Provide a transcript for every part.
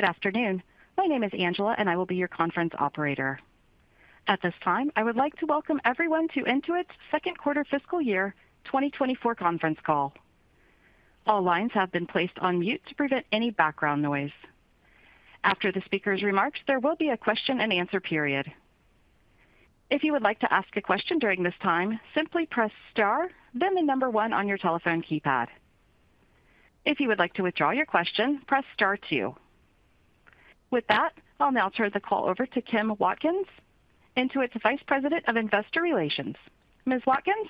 Good afternoon. My name is Angela, and I will be your conference operator. At this time, I would like to welcome everyone to Intuit's Second Quarter Fiscal Year 2024 Conference Call. All lines have been placed on mute to prevent any background noise. After the speaker's remarks, there will be a question-and-answer period. If you would like to ask a question during this time, simply press star, then the number one on your telephone keypad. If you would like to withdraw your question, press star two. With that, I'll now turn the call over to Kim Watkins, Intuit's Vice President of Investor Relations. Ms. Watkins?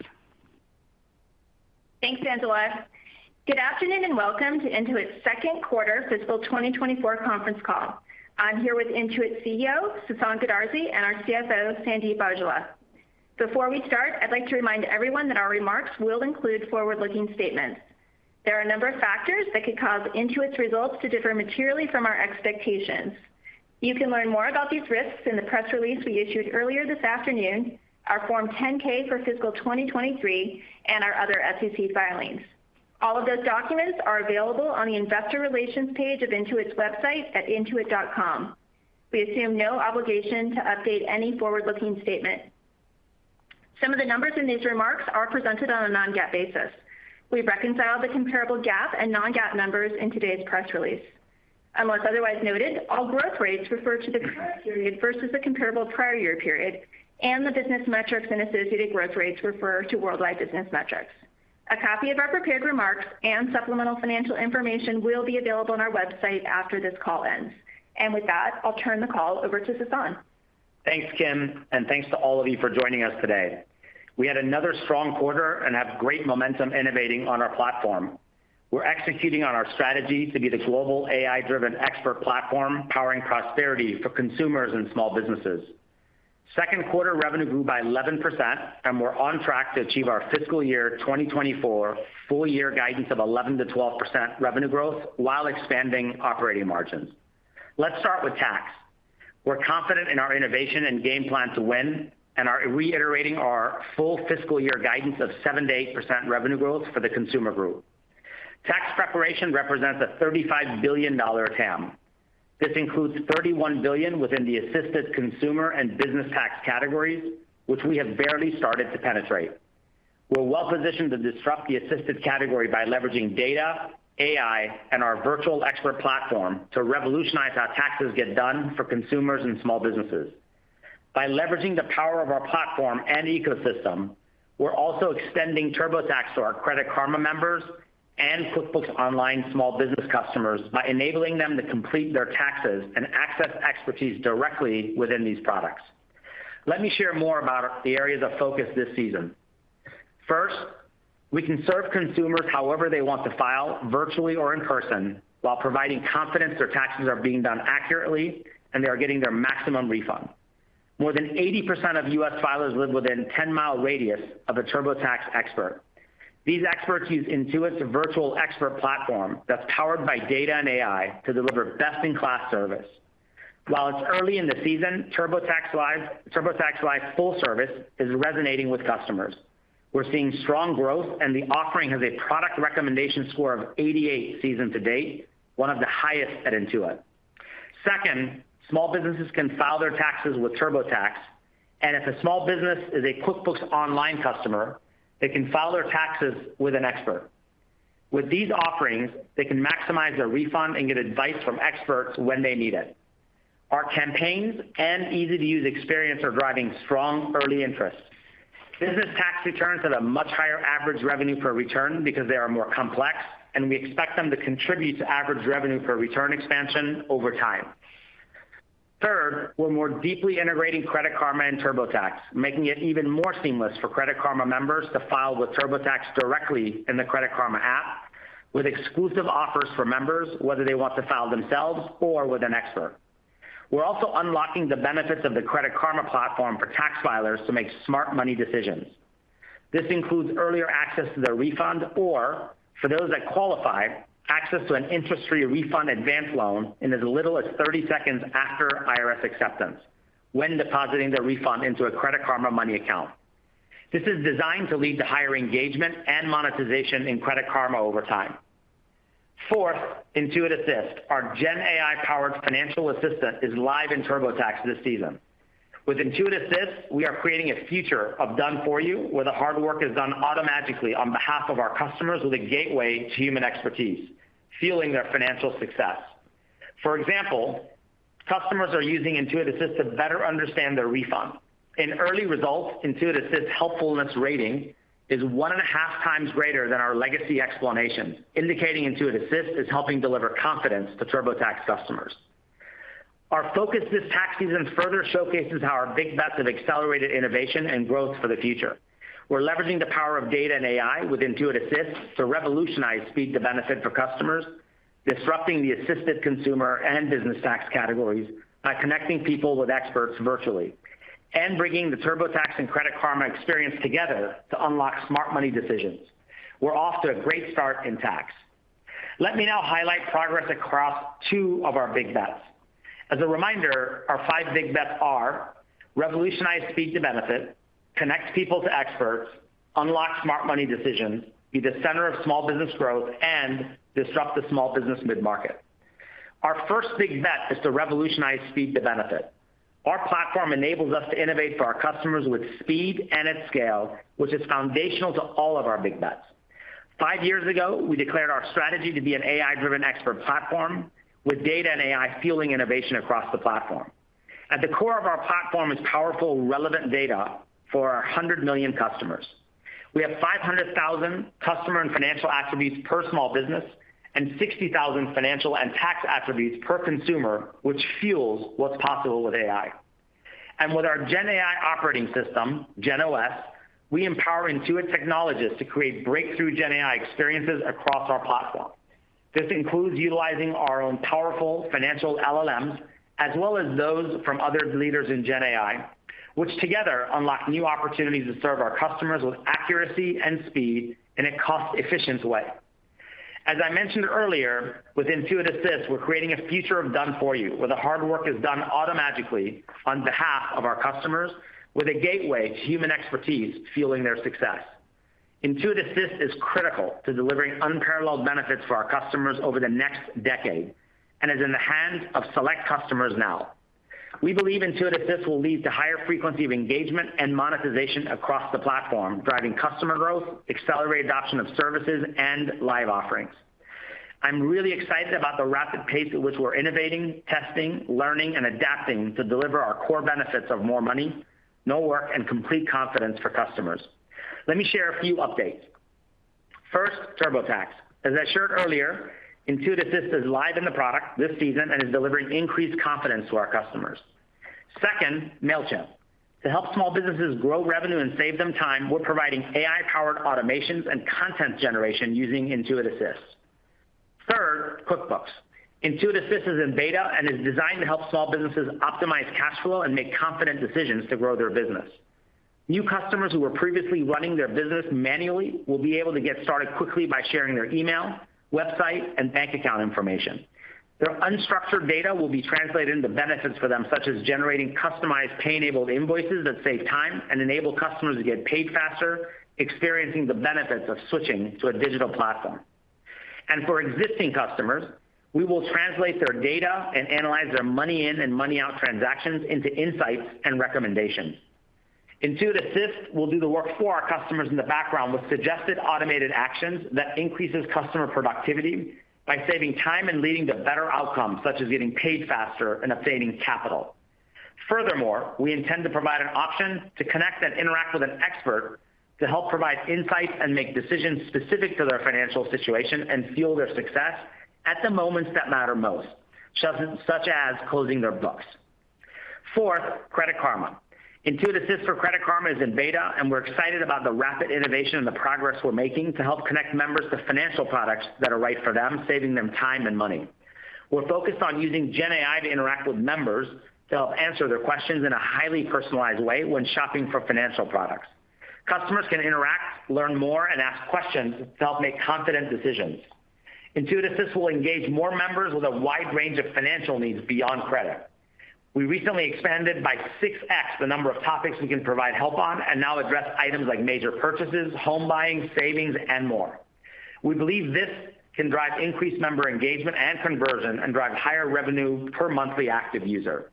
Thanks, Angela. Good afternoon, and welcome to Intuit's Second Quarter Fiscal 2024 Conference Call. I'm here with Intuit's CEO, Sasan Goodarzi, and our CFO, Sandeep Aujla. Before we start, I'd like to remind everyone that our remarks will include forward-looking statements. There are a number of factors that could cause Intuit's results to differ materially from our expectations. You can learn more about these risks in the press release we issued earlier this afternoon, our Form 10-K for fiscal 2023, and our other SEC filings. All of those documents are available on the investor relations page of Intuit's website at intuit.com. We assume no obligation to update any forward-looking statement. Some of the numbers in these remarks are presented on a non-GAAP basis. We reconcile the comparable GAAP and non-GAAP numbers in today's press release. Unless otherwise noted, all growth rates refer to the current period versus the comparable prior year period, and the business metrics and associated growth rates refer to worldwide business metrics. A copy of our prepared remarks and supplemental financial information will be available on our website after this call ends. With that, I'll turn the call over to Sasan. Thanks, Kim, and thanks to all of you for joining us today. We had another strong quarter and have great momentum innovating on our platform. We're executing on our strategy to be the global AI-driven expert platform, powering prosperity for consumers and small businesses. Second quarter revenue grew by 11%, and we're on track to achieve our fiscal year 2024 full year guidance of 11%-12% revenue growth while expanding operating margins. Let's start with tax. We're confident in our innovation and game plan to win, and are reiterating our full fiscal year guidance of 7%-8% revenue growth for the Consumer Group. Tax preparation represents a $35 billion TAM. This includes $31 billion within the assisted consumer and business tax categories, which we have barely started to penetrate. We're well-positioned to disrupt the assisted category by leveraging data, AI, and our virtual expert platform to revolutionize how taxes get done for consumers and small businesses. By leveraging the power of our platform and ecosystem, we're also extending TurboTax to our Credit Karma members and QuickBooks Online small business customers by enabling them to complete their taxes and access expertise directly within these products. Let me share more about the areas of focus this season. First, we can serve consumers however they want to file, virtually or in person, while providing confidence their taxes are being done accurately and they are getting their maximum refund. More than 80% of U.S. filers live within 10-mile radius of a TurboTax expert. These experts use Intuit's virtual expert platform that's powered by data and AI to deliver best-in-class service. While it's early in the season, TurboTax Live, TurboTax Live Full Service is resonating with customers. We're seeing strong growth, and the offering has a product recommendation score of 88 season to date, one of the highest at Intuit. Second, small businesses can file their taxes with TurboTax, and if a small business is a QuickBooks Online customer, they can file their taxes with an expert. With these offerings, they can maximize their refund and get advice from experts when they need it. Our campaigns and easy-to-use experience are driving strong early interest. Business tax returns have a much higher average revenue per return because they are more complex, and we expect them to contribute to average revenue per return expansion over time. Third, we're more deeply integrating Credit Karma and TurboTax, making it even more seamless for Credit Karma members to file with TurboTax directly in the Credit Karma app, with exclusive offers for members, whether they want to file themselves or with an expert. We're also unlocking the benefits of the Credit Karma platform for tax filers to make smart money decisions. This includes earlier access to their refund or, for those that qualify, access to an interest-free refund advance loan in as little as 30 seconds after IRS acceptance when depositing their refund into a Credit Karma Money account. This is designed to lead to higher engagement and monetization in Credit Karma over time. Fourth, Intuit Assist, our GenAI-powered financial assistant, is live in TurboTax this season. With Intuit Assist, we are creating a future of done for you, where the hard work is done automatically on behalf of our customers with a gateway to human expertise, fueling their financial success. For example, customers are using Intuit Assist to better understand their refund. In early results, Intuit Assist's helpfulness rating is 1.5x greater than our legacy explanations, indicating Intuit Assist is helping deliver confidence to TurboTax customers. Our focus this tax season further showcases how our big bets have accelerated innovation and growth for the future. We're leveraging the power of data and AI with Intuit Assist to revolutionize speed to benefit for customers, disrupting the assisted consumer and business tax categories by connecting people with experts virtually, and bringing the TurboTax and Credit Karma experience together to unlock smart money decisions. We're off to a great start in tax. Let me now highlight progress across two of our big bets. As a reminder, our five big bets are: revolutionize speed to benefit, connect people to experts, unlock smart money decisions, be the center of small business growth, and disrupt the small business mid-market. Our first big bet is to revolutionize speed to benefit. Our platform enables us to innovate for our customers with speed and at scale, which is foundational to all of our big bets. Five years ago, we declared our strategy to be an AI-driven expert platform, with data and AI fueling innovation across the platform. At the core of our platform is powerful, relevant data for our 100 million customers. We have 500,000 customer and financial attributes per small business, and 60,000 financial and tax attributes per consumer, which fuels what's possible with AI. And with our GenAI operating system, GenOS, we empower Intuit technologists to create breakthrough GenAI experiences across our platform. This includes utilizing our own powerful financial LLMs, as well as those from other leaders in GenAI, which together unlock new opportunities to serve our customers with accuracy and speed in a cost-efficient way. As I mentioned earlier, with Intuit Assist, we're creating a future of done for you, where the hard work is done automagically on behalf of our customers, with a gateway to human expertise fueling their success. Intuit Assist is critical to delivering unparalleled benefits for our customers over the next decade and is in the hands of select customers now. We believe Intuit Assist will lead to higher frequency of engagement and monetization across the platform, driving customer growth, accelerated adoption of services, and live offerings. I'm really excited about the rapid pace at which we're innovating, testing, learning, and adapting to deliver our core benefits of more money, no work, and complete confidence for customers. Let me share a few updates. First, TurboTax. As I shared earlier, Intuit Assist is live in the product this season and is delivering increased confidence to our customers. Second, Mailchimp. To help small businesses grow revenue and save them time, we're providing AI-powered automations and content generation using Intuit Assist. Third, QuickBooks. Intuit Assist is in beta and is designed to help small businesses optimize cash flow and make confident decisions to grow their business. New customers who were previously running their business manually will be able to get started quickly by sharing their email, website, and bank account information. Their unstructured data will be translated into benefits for them, such as generating customized, pay-enabled invoices that save time and enable customers to get paid faster, experiencing the benefits of switching to a digital platform. For existing customers, we will translate their data and analyze their money-in and money-out transactions into insights and recommendations. Intuit Assist will do the work for our customers in the background with suggested automated actions that increases customer productivity by saving time and leading to better outcomes, such as getting paid faster and obtaining capital. Furthermore, we intend to provide an option to connect and interact with an expert to help provide insights and make decisions specific to their financial situation and fuel their success at the moments that matter most, such as closing their books. Fourth, Credit Karma. Intuit Assist for Credit Karma is in beta, and we're excited about the rapid innovation and the progress we're making to help connect members to financial products that are right for them, saving them time and money. We're focused on using GenAI to interact with members to help answer their questions in a highly personalized way when shopping for financial products. Customers can interact, learn more, and ask questions to help make confident decisions. Intuit Assist will engage more members with a wide range of financial needs beyond credit. We recently expanded by 6x the number of topics we can provide help on and now address items like major purchases, home buying, savings, and more. We believe this can drive increased member engagement and conversion, and drive higher revenue per monthly active user.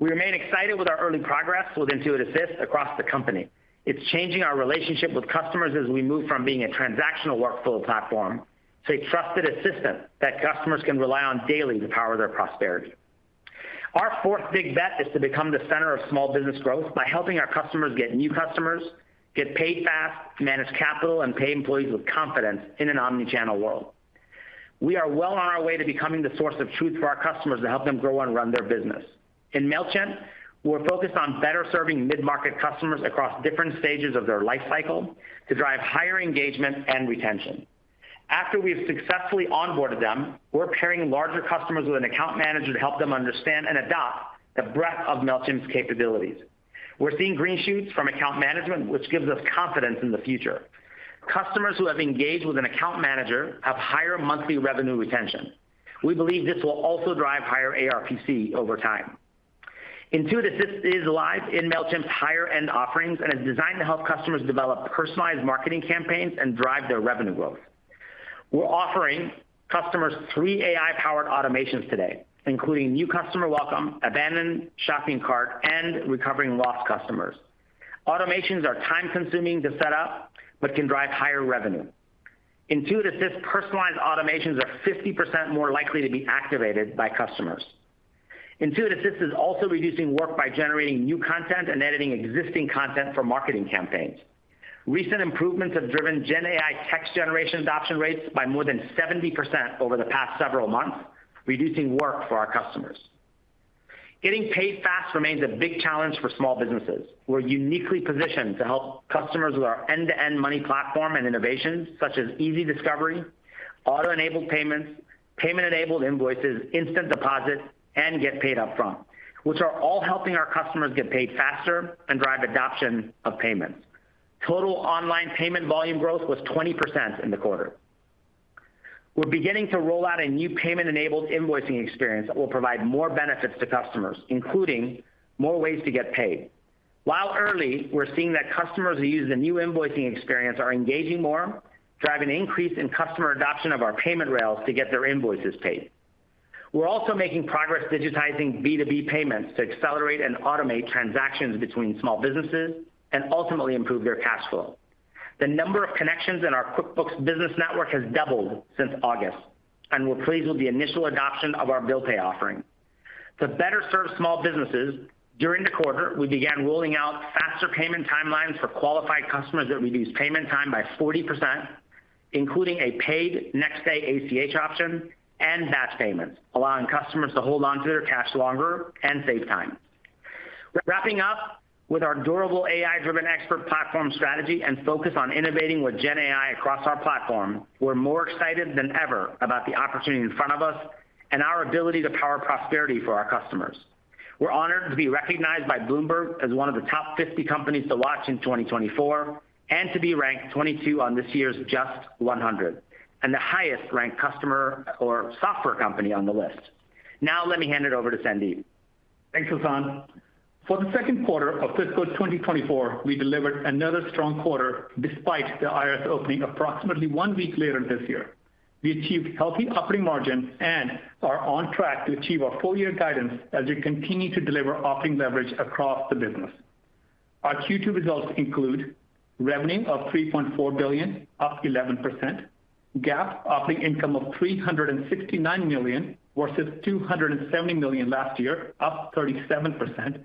We remain excited with our early progress with Intuit Assist across the company. It's changing our relationship with customers as we move from being a transactional workflow platform to a trusted assistant that customers can rely on daily to power their prosperity. Our fourth big bet is to become the center of small business growth by helping our customers get new customers, get paid fast, manage capital, and pay employees with confidence in an omnichannel world. We are well on our way to becoming the source of truth for our customers to help them grow and run their business. In Mailchimp, we're focused on better serving mid-market customers across different stages of their life cycle to drive higher engagement and retention. After we've successfully onboarded them, we're pairing larger customers with an account manager to help them understand and adopt the breadth of Mailchimp's capabilities. We're seeing green shoots from account management, which gives us confidence in the future. Customers who have engaged with an account manager have higher monthly revenue retention. We believe this will also drive higher ARPC over time. Intuit Assist is live in Mailchimp's higher-end offerings and is designed to help customers develop personalized marketing campaigns and drive their revenue growth. We're offering customers three AI-powered automations today, including new customer welcome, abandoned shopping cart, and recovering lost customers. Automations are time-consuming to set up, but can drive higher revenue. Intuit Assist personalized automations are 50% more likely to be activated by customers. Intuit Assist is also reducing work by generating new content and editing existing content for marketing campaigns. Recent improvements have driven GenAI text generation adoption rates by more than 70% over the past several months, reducing work for our customers. Getting paid fast remains a big challenge for small businesses. We're uniquely positioned to help customers with our end-to-end money platform and innovations such as easy discovery, auto-enabled payments, payment-enabled invoices, instant deposits, and get paid upfront, which are all helping our customers get paid faster and drive adoption of payments. Total online payment volume growth was 20% in the quarter. We're beginning to roll out a new payment-enabled invoicing experience that will provide more benefits to customers, including more ways to get paid. While early, we're seeing that customers who use the new invoicing experience are engaging more, driving an increase in customer adoption of our payment rails to get their invoices paid. We're also making progress digitizing B2B payments to accelerate and automate transactions between small businesses and ultimately improve their cash flow. The number of connections in our QuickBooks Business Network has doubled since August, and we're pleased with the initial adoption of our bill pay offering. To better serve small businesses, during the quarter, we began rolling out faster payment timelines for qualified customers that reduce payment time by 40%, including a paid next-day ACH option and batch payments, allowing customers to hold onto their cash longer and save time. Wrapping up with our durable AI-driven expert platform strategy and focus on innovating with GenAI across our platform, we're more excited than ever about the opportunity in front of us and our ability to power prosperity for our customers. We're honored to be recognized by Bloomberg as one of the top 50 companies to watch in 2024, and to be ranked 22 on this year's Just 100, and the highest-ranked customer or software company on the list. Now let me hand it over to Sandeep. Thanks, Sasan. For the second quarter of fiscal 2024, we delivered another strong quarter despite the IRS opening approximately one week later this year. We achieved healthy operating margin and are on track to achieve our full-year guidance as we continue to deliver operating leverage across the business. Our Q2 results include revenue of $3.4 billion, up 11%. GAAP operating income of $369 million, versus $270 million last year, up 37%.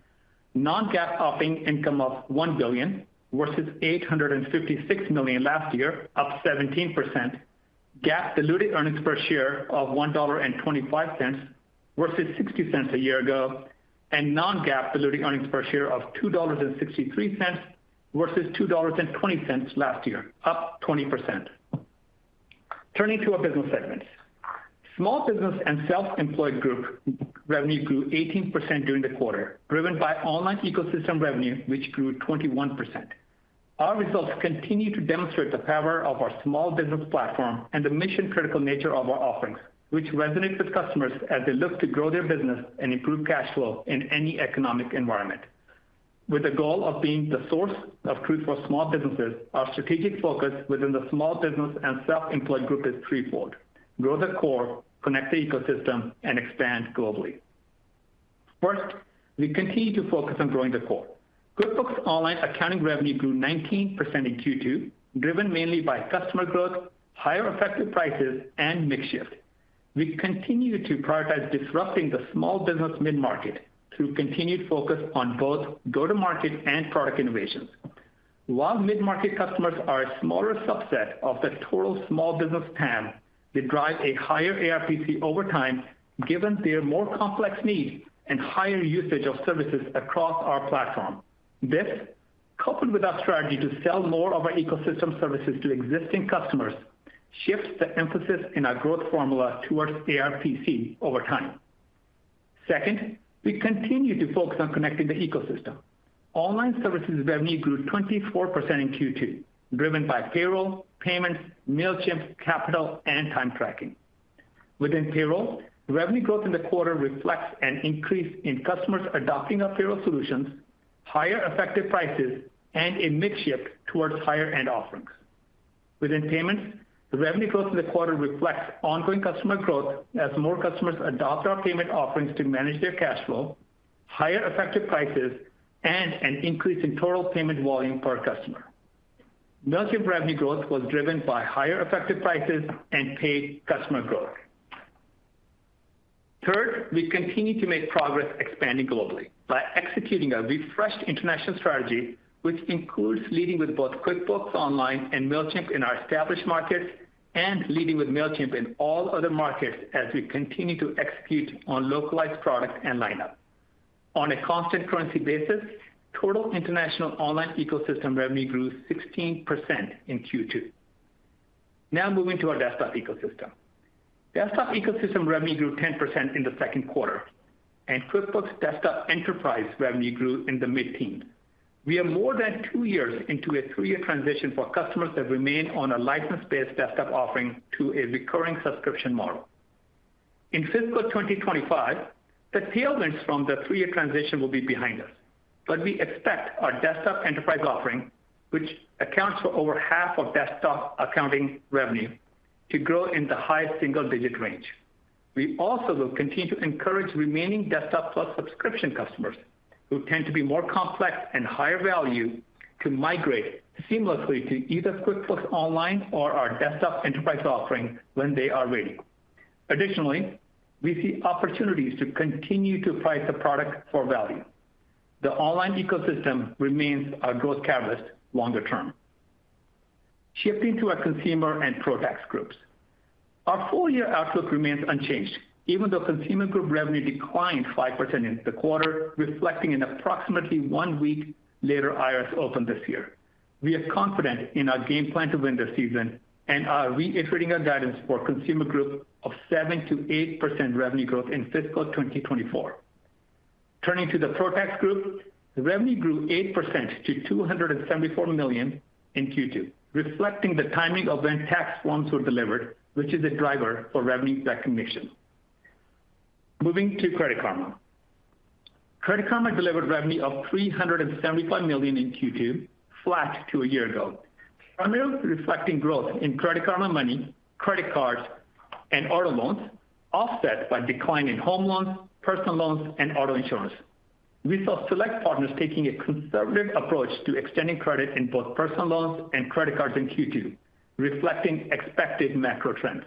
Non-GAAP operating income of $1 billion, versus $856 million last year, up 17%. GAAP diluted earnings per share of $1.25, versus $0.60 a year ago, and non-GAAP diluted earnings per share of $2.63, versus $2.20 last year, up 20%. Turning to our business segments. Small Business and Self-Employed Group revenue grew 18% during the quarter, driven by online ecosystem revenue, which grew 21%. Our results continue to demonstrate the power of our small business platform and the mission-critical nature of our offerings, which resonate with customers as they look to grow their business and improve cash flow in any economic environment. With the goal of being the source of truth for small businesses, our strategic focus within the Small Business and Self-Employed Group is threefold: Grow the core, connect the ecosystem, and expand globally. First, we continue to focus on growing the core. QuickBooks Online accounting revenue grew 19% in Q2, driven mainly by customer growth, higher effective prices, and mix shift. We continue to prioritize disrupting the small business mid-market through continued focus on both go-to-market and product innovations. While mid-market customers are a smaller subset of the total small business TAM, they drive a higher ARPC over time, given their more complex needs and higher usage of services across our platform. This, coupled with our strategy to sell more of our ecosystem services to existing customers, shifts the emphasis in our growth formula towards ARPC over time. Second, we continue to focus on connecting the ecosystem. Online services revenue grew 24% in Q2, driven by payroll, payments, Mailchimp, capital, and time tracking. Within payroll, revenue growth in the quarter reflects an increase in customers adopting our payroll solutions, higher effective prices, and a mix shift towards higher-end offerings. Within payments, the revenue growth in the quarter reflects ongoing customer growth as more customers adopt our payment offerings to manage their cash flow, higher effective prices, and an increase in total payment volume per customer. Mailchimp revenue growth was driven by higher effective prices and paid customer growth. Third, we continue to make progress expanding globally by executing a refreshed international strategy, which includes leading with both QuickBooks Online and Mailchimp in our established markets, and leading with Mailchimp in all other markets as we continue to execute on localized products and lineup. On a constant currency basis, total international online ecosystem revenue grew 16% in Q2. Now moving to our desktop ecosystem. Desktop ecosystem revenue grew 10% in the second quarter, and QuickBooks Desktop Enterprise revenue grew in the mid-teens. We are more than 2 years into a 3-year transition for customers that remain on a license-based desktop offering to a recurring subscription model. In fiscal 2025, the tailwinds from the 3-year transition will be behind us, but we expect our Desktop Enterprise offering, which accounts for over half of desktop accounting revenue, to grow in the high single-digit range. We also will continue to encourage remaining Desktop Plus subscription customers, who tend to be more complex and higher value, to migrate seamlessly to either QuickBooks Online or our Desktop Enterprise offering when they are ready. Additionally, we see opportunities to continue to price the product for value. The online ecosystem remains our growth catalyst longer term. Shifting to our Consumer and ProTax groups. Our full year outlook remains unchanged, even though Consumer Group revenue declined 5% in the quarter, reflecting an approximately 1-week later IRS open this year. We are confident in our game plan to win this season and are reiterating our guidance for Consumer Group of 7%-8% revenue growth in fiscal 2024. Turning to the ProTax Group, the revenue grew 8% to $274 million in Q2, reflecting the timing of when tax forms were delivered, which is a driver for revenue recognition. Moving to Credit Karma. Credit Karma delivered revenue of $375 million in Q2, flat to a year ago, primarily reflecting growth in Credit Karma Money, credit cards, and auto loans, offset by decline in home loans, personal loans, and auto insurance. We saw select partners taking a conservative approach to extending credit in both personal loans and credit cards in Q2, reflecting expected macro trends.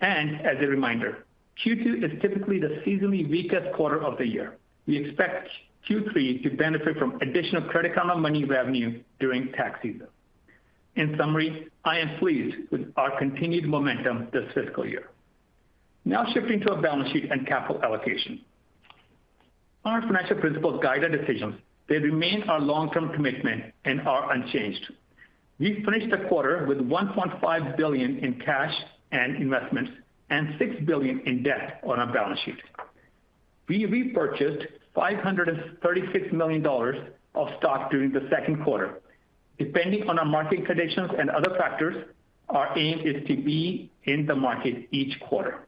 And as a reminder, Q2 is typically the seasonally weakest quarter of the year. We expect Q3 to benefit from additional Credit Karma Money revenue during tax season. In summary, I am pleased with our continued momentum this fiscal year. Now shifting to our balance sheet and capital allocation. Our financial principles guide our decisions. They remain our long-term commitment and are unchanged. We finished the quarter with $1.5 billion in cash and investments, and $6 billion in debt on our balance sheet. We repurchased $536 million of stock during the second quarter. Depending on our market conditions and other factors, our aim is to be in the market each quarter.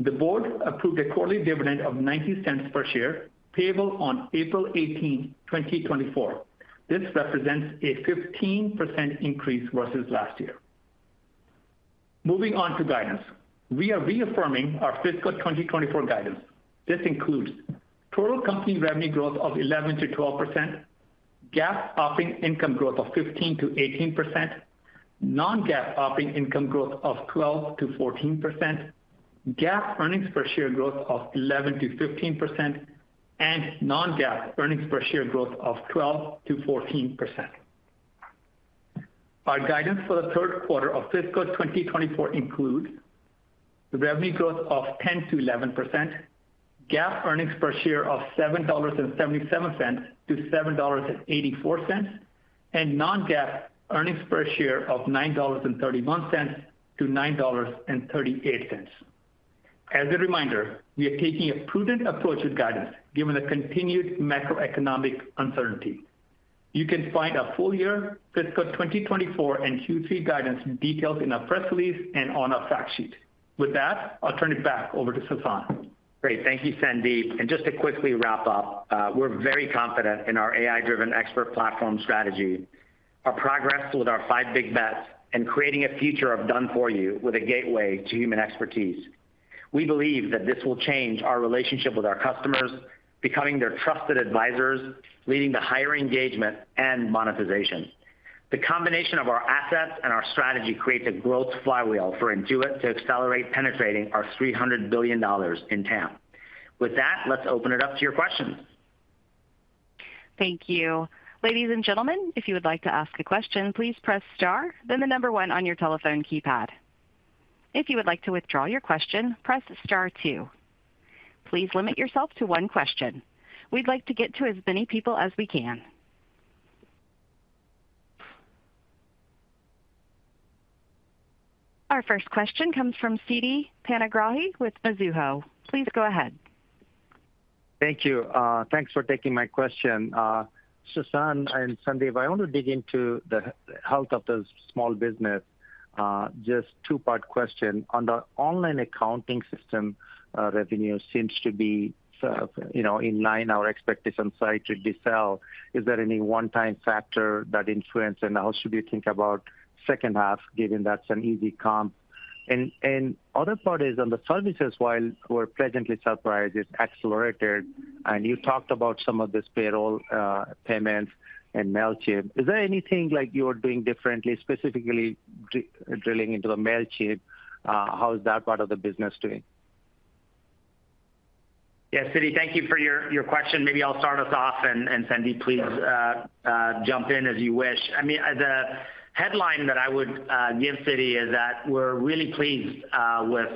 The board approved a quarterly dividend of $0.90 per share, payable on April 18, 2024. This represents a 15% increase versus last year. Moving on to guidance. We are reaffirming our fiscal 2024 guidance. This includes total company revenue growth of 11%-12%, GAAP operating income growth of 15%-18%, non-GAAP operating income growth of 12%-14%, GAAP earnings per share growth of 11%-15%, and non-GAAP earnings per share growth of 12%-14%. Our guidance for the third quarter of fiscal 2024 includes the revenue growth of 10%-11%, GAAP earnings per share of $7.77-$7.84, and non-GAAP earnings per share of $9.31-$9.38. As a reminder, we are taking a prudent approach with guidance, given the continued macroeconomic uncertainty. You can find our full-year fiscal 2024 and Q3 guidance details in our press release and on our fact sheet. With that, I'll turn it back over to Sasan. Great. Thank you, Sandeep. Just to quickly wrap up, we're very confident in our AI-driven expert platform strategy, our progress with our five big bets, and creating a future of done for you with a gateway to human expertise. We believe that this will change our relationship with our customers, becoming their trusted advisors, leading to higher engagement and monetization. The combination of our assets and our strategy creates a growth flywheel for Intuit to accelerate penetrating our $300 billion in TAM. With that, let's open it up to your questions. Thank you. Ladies and gentlemen, if you would like to ask a question, please press star, then the number one on your telephone keypad. If you would like to withdraw your question, press star two. Please limit yourself to one question. We'd like to get to as many people as we can. Our first question comes from Siti Panigrahi with Mizuho. Please go ahead. Thanks for taking my question. Sasan and Sandeep, I want to dig into the health of the small business. Just a two-part question. On the online accounting system, revenue seems to be, you know, in line with our expectations. It started to slow. Is there any one-time factor that influence, and how should you think about second half, given that's an easy comp? The other part is on the services, while we're pleasantly surprised, it's accelerated, and you talked about some of this payroll, payments and Mailchimp. Is there anything like you're doing differently, specifically drilling into the Mailchimp? How is that part of the business doing? Yeah, Siti, thank you for your question. Maybe I'll start us off, and Sandeep, please jump in as you wish. I mean, the headline that I would give, Siti, is that we're really pleased with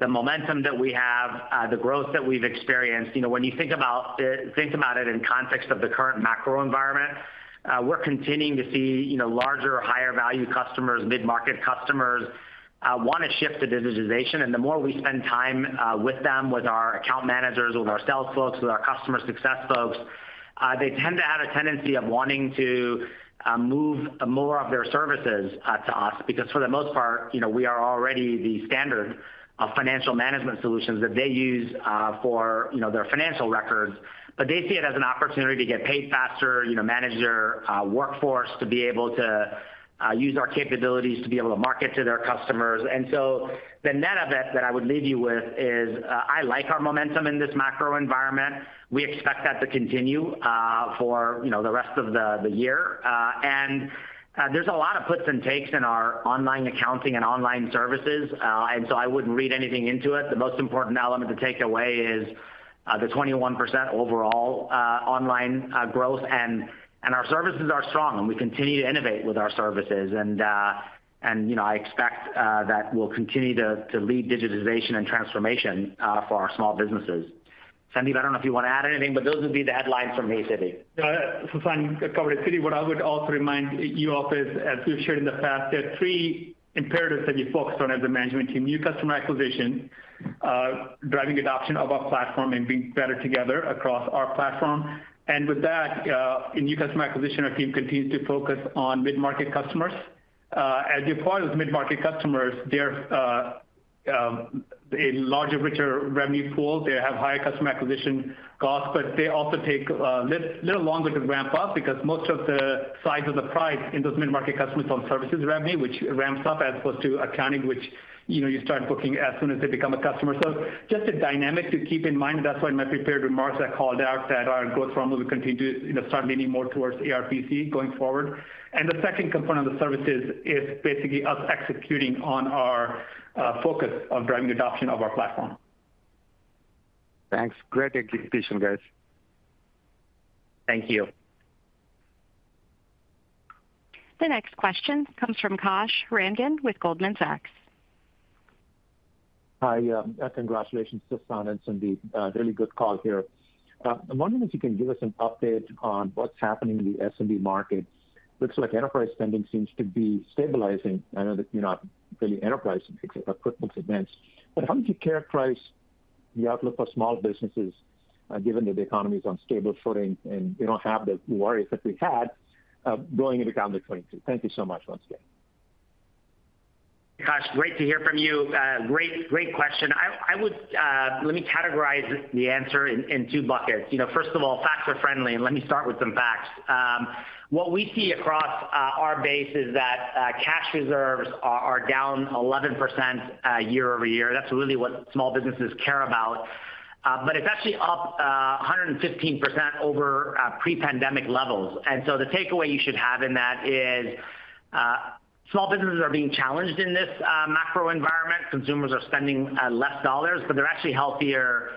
the momentum that we have, the growth that we've experienced. You know, when you think about it in context of the current macro environment, we're continuing to see, you know, larger or higher value customers, mid-market customers want to shift to digitization. And the more we spend time with them, with our account managers, with our sales folks, with our customer success folks, they tend to have a tendency of wanting to move more of their services to us, because for the most part, you know, we are already the standard of financial management solutions that they use for, you know, their financial records. But they see it as an opportunity to get paid faster, you know, manage their workforce, to be able to use our capabilities to be able to market to their customers. And so the net of it that I would leave you with is, I like our momentum in this macro environment. We expect that to continue for, you know, the rest of the year. And there's a lot of puts and takes in our online accounting and online services, and so I wouldn't read anything into it. The most important element to take away is the 21% overall online growth, and our services are strong, and we continue to innovate with our services. And, you know, I expect that we'll continue to lead digitization and transformation for our small businesses. Sandeep, I don't know if you want to add anything, but those would be the headlines from me, Siti. Sasan, covered it. Siti, what I would also remind you of is, as we've shared in the past, there are three imperatives that we focused on as a management team, new customer acquisition, driving adoption of our platform, and being better together across our platform. And with that, in new customer acquisition, our team continues to focus on mid-market customers. As you're aware, with mid-market customers, they're a larger, richer revenue pool. They have higher customer acquisition costs, but they also take little longer to ramp up because most of the size of the price in those mid-market customers on services revenue, which ramps up, as opposed to accounting, which, you know, you start booking as soon as they become a customer. So just a dynamic to keep in mind. That's why in my prepared remarks, I called out that our growth problem will continue to, you know, start leaning more towards ARPC going forward. And the second component of the services is basically us executing on our focus on driving adoption of our platform. Thanks. Great execution, guys. Thank you. The next question comes from Kash Rangan with Goldman Sachs. Hi. Congratulations to Sasan and Sandeep. Really good call here. I'm wondering if you can give us an update on what's happening in the SMB market. Looks like enterprise spending seems to be stabilizing. I know that you're not really enterprise, except for QuickBooks Enterprise, but how would you characterize the outlook for small businesses, given that the economy's on stable footing, and we don't have the worries that we had, going into calendar 2022? Thank you so much, once again. Kash, great to hear from you. Great, great question. Let me categorize the answer in two buckets. You know, first of all, facts are friendly, and let me start with some facts. What we see across our base is that cash reserves are down 11% year-over-year. That's really what small businesses care about, but it's actually up 115% over pre-pandemic levels. And so the takeaway you should have in that is small businesses are being challenged in this macro environment. Consumers are spending less dollars, but they're actually healthier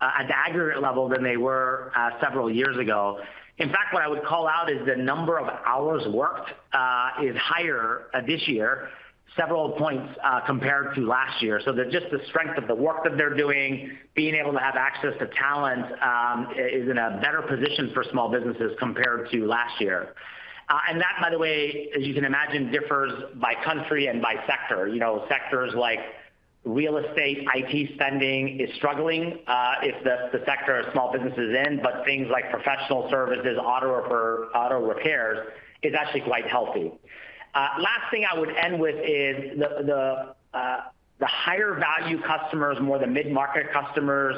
at the aggregate level than they were several years ago. In fact, what I would call out is the number of hours worked is higher this year, several points compared to last year. So just the strength of the work that they're doing, being able to have access to talent, is in a better position for small businesses compared to last year. And that, by the way, as you can imagine, differs by country and by sector. You know, sectors like real estate, IT spending is struggling, if the sector a small business is in, but things like professional services, auto repairs, is actually quite healthy. Last thing I would end with is the higher value customers, more the mid-market customers,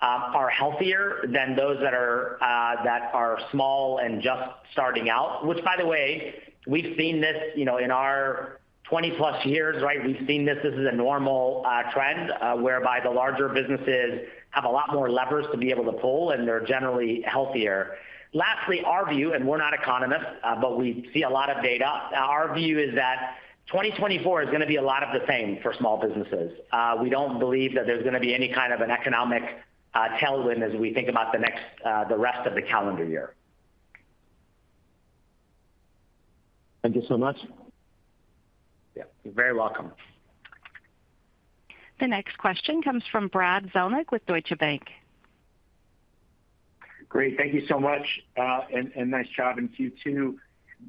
are healthier than those that are small and just starting out, which, by the way, we've seen this, you know, in our 20+ years, right? We've seen this. This is a normal trend, whereby the larger businesses have a lot more levers to be able to pull, and they're generally healthier. Lastly, our view, and we're not economists, but we see a lot of data. Our view is that 2024 is gonna be a lot of the same for small businesses. We don't believe that there's gonna be any kind of an economic tailwind as we think about the next, the rest of the calendar year. Thank you so much. Yeah, you're very welcome. The next question comes from Brad Zelnick with Deutsche Bank. Great. Thank you so much, and nice job, and to you, too.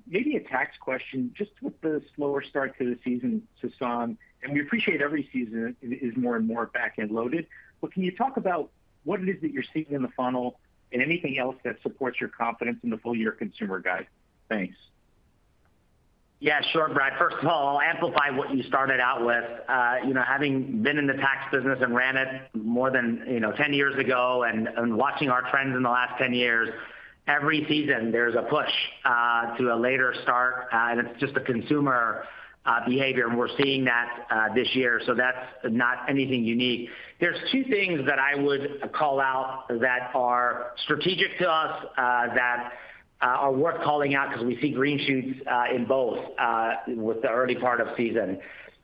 Maybe a tax question, just with the slower start to the season, Sasan, and we appreciate every season is more and more back-end loaded. But can you talk about what it is that you're seeing in the funnel and anything else that supports your confidence in the full-year Consumer Group? Thanks. Yeah, sure, Brad. First of all, I'll amplify what you started out with. You know, having been in the tax business and ran it more than, you know, 10 years ago, and, and watching our trends in the last 10 years, every season, there's a push to a later start, and it's just a consumer behavior, and we're seeing that this year, so that's not anything unique. There's two things that I would call out that are strategic to us, that are worth calling out because we see green shoots in both with the early part of season.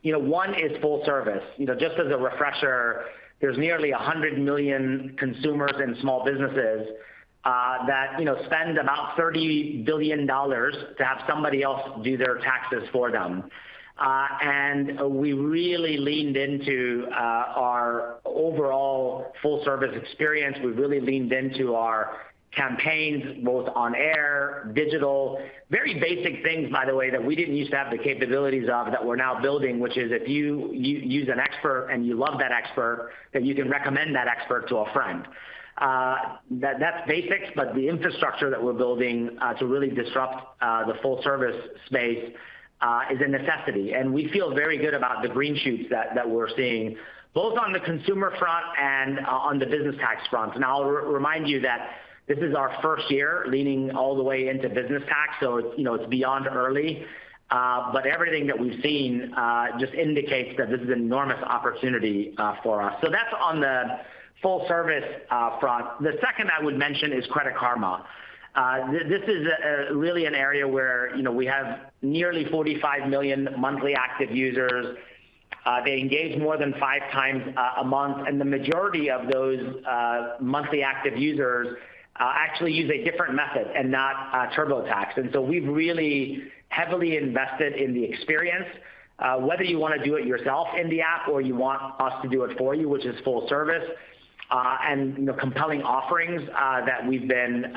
One is full service. You know, just as a refresher, there's nearly 100 million consumers and small businesses that, you know, spend about $30 billion to have somebody else do their taxes for them. And we really leaned into our overall full-service experience. We really leaned into our campaigns, both on air, digital, very basic things, by the way, that we didn't use to have the capabilities of, but that we're now building, which is if you use an expert and you love that expert, then you can recommend that expert to a friend. That, that's basics, but the infrastructure that we're building to really disrupt the full-service space is a necessity. And we feel very good about the green shoots that we're seeing both on the consumer front and on the business tax front. And I'll re-remind you that this is our first year leaning all the way into business tax, so it's, you know, it's beyond early. But everything that we've seen just indicates that this is an enormous opportunity for us. So that's on the full service front. The second I would mention is Credit Karma. This is really an area where, you know, we have nearly 45 million monthly active users. They engage more than 5x a month, and the majority of those monthly active users actually use a different method and not TurboTax. And so we've really heavily invested in the experience, whether you wanna do it yourself in the app, or you want us to do it for you, which is full service, and, you know, compelling offerings that we've been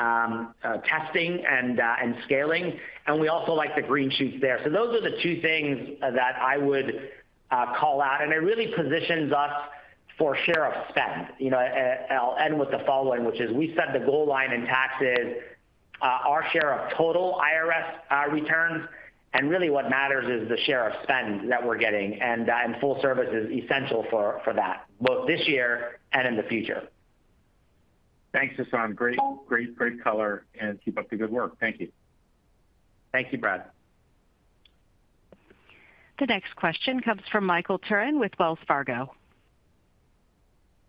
testing and scaling, and we also like the green shoots there. So those are the two things that I would call out, and it really positions us for share of spend. You know, and I'll end with the following, which is we set the goal line in taxes, our share of total IRS returns, and really what matters is the share of spend that we're getting, and, and full service is essential for that, both this year and in the future. Thanks, Sasan. Great, great, great color, and keep up the good work. Thank you. Thank you, Brad. The next question comes from Michael Turrin with Wells Fargo.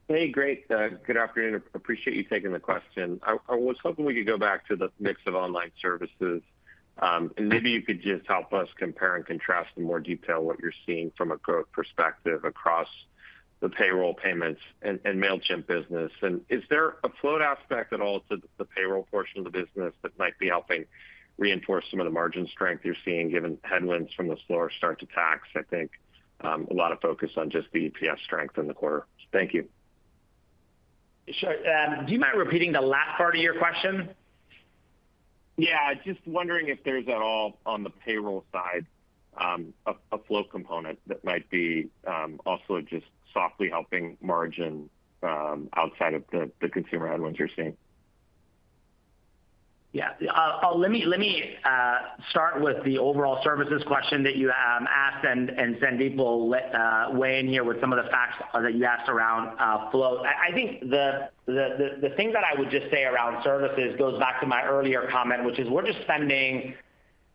Hey, great. Good afternoon. Appreciate you taking the question. I was hoping we could go back to the mix of online services, and maybe you could just help us compare and contrast in more detail what you're seeing from a growth perspective across the payroll payments and Mailchimp business. And is there a float aspect at all to the payroll portion of the business that might be helping reinforce some of the margin strength you're seeing, given headwinds from the slower start to tax? I think a lot of focus on just the EPS strength in the quarter. Thank you. Sure. Do you mind repeating the last part of your question? Yeah, just wondering if there's at all, on the payroll side, a flow component that might be also just softly helping margin, outside of the consumer headwinds you're seeing. Yeah. Let me, let me, start with the overall services question that you asked, and Sandeep will weigh in here with some of the facts that you asked around flow. I think the thing that I would just say around services goes back to my earlier comment, which is we're just spending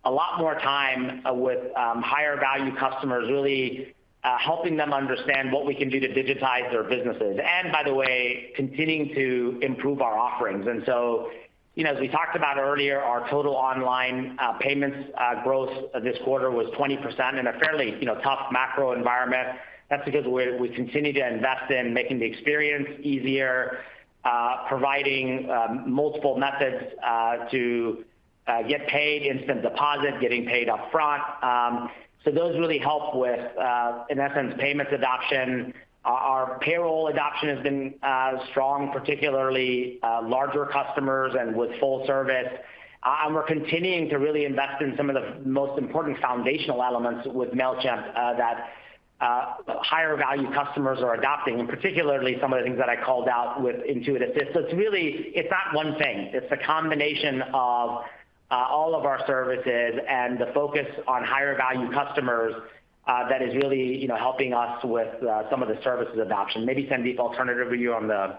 a lot more time with higher value customers, really helping them understand what we can do to digitize their businesses, and by the way, continuing to improve our offerings. And so, you know, as we talked about earlier, our total online payments growth this quarter was 20% in a fairly, you know, tough macro environment. That's because we continue to invest in making the experience easier, providing multiple methods to get paid, instant deposit, getting paid up front. So those really help with, in essence, payments adoption. Our payroll adoption has been strong, particularly larger customers and with full service. And we're continuing to really invest in some of the most important foundational elements with Mailchimp that higher value customers are adopting, and particularly some of the things that I called out with Intuit Assist. So it's really. It's not one thing. It's a combination of all of our services and the focus on higher value customers that is really, you know, helping us with some of the services adoption. Maybe, Sandeep, I'll turn it over to you on the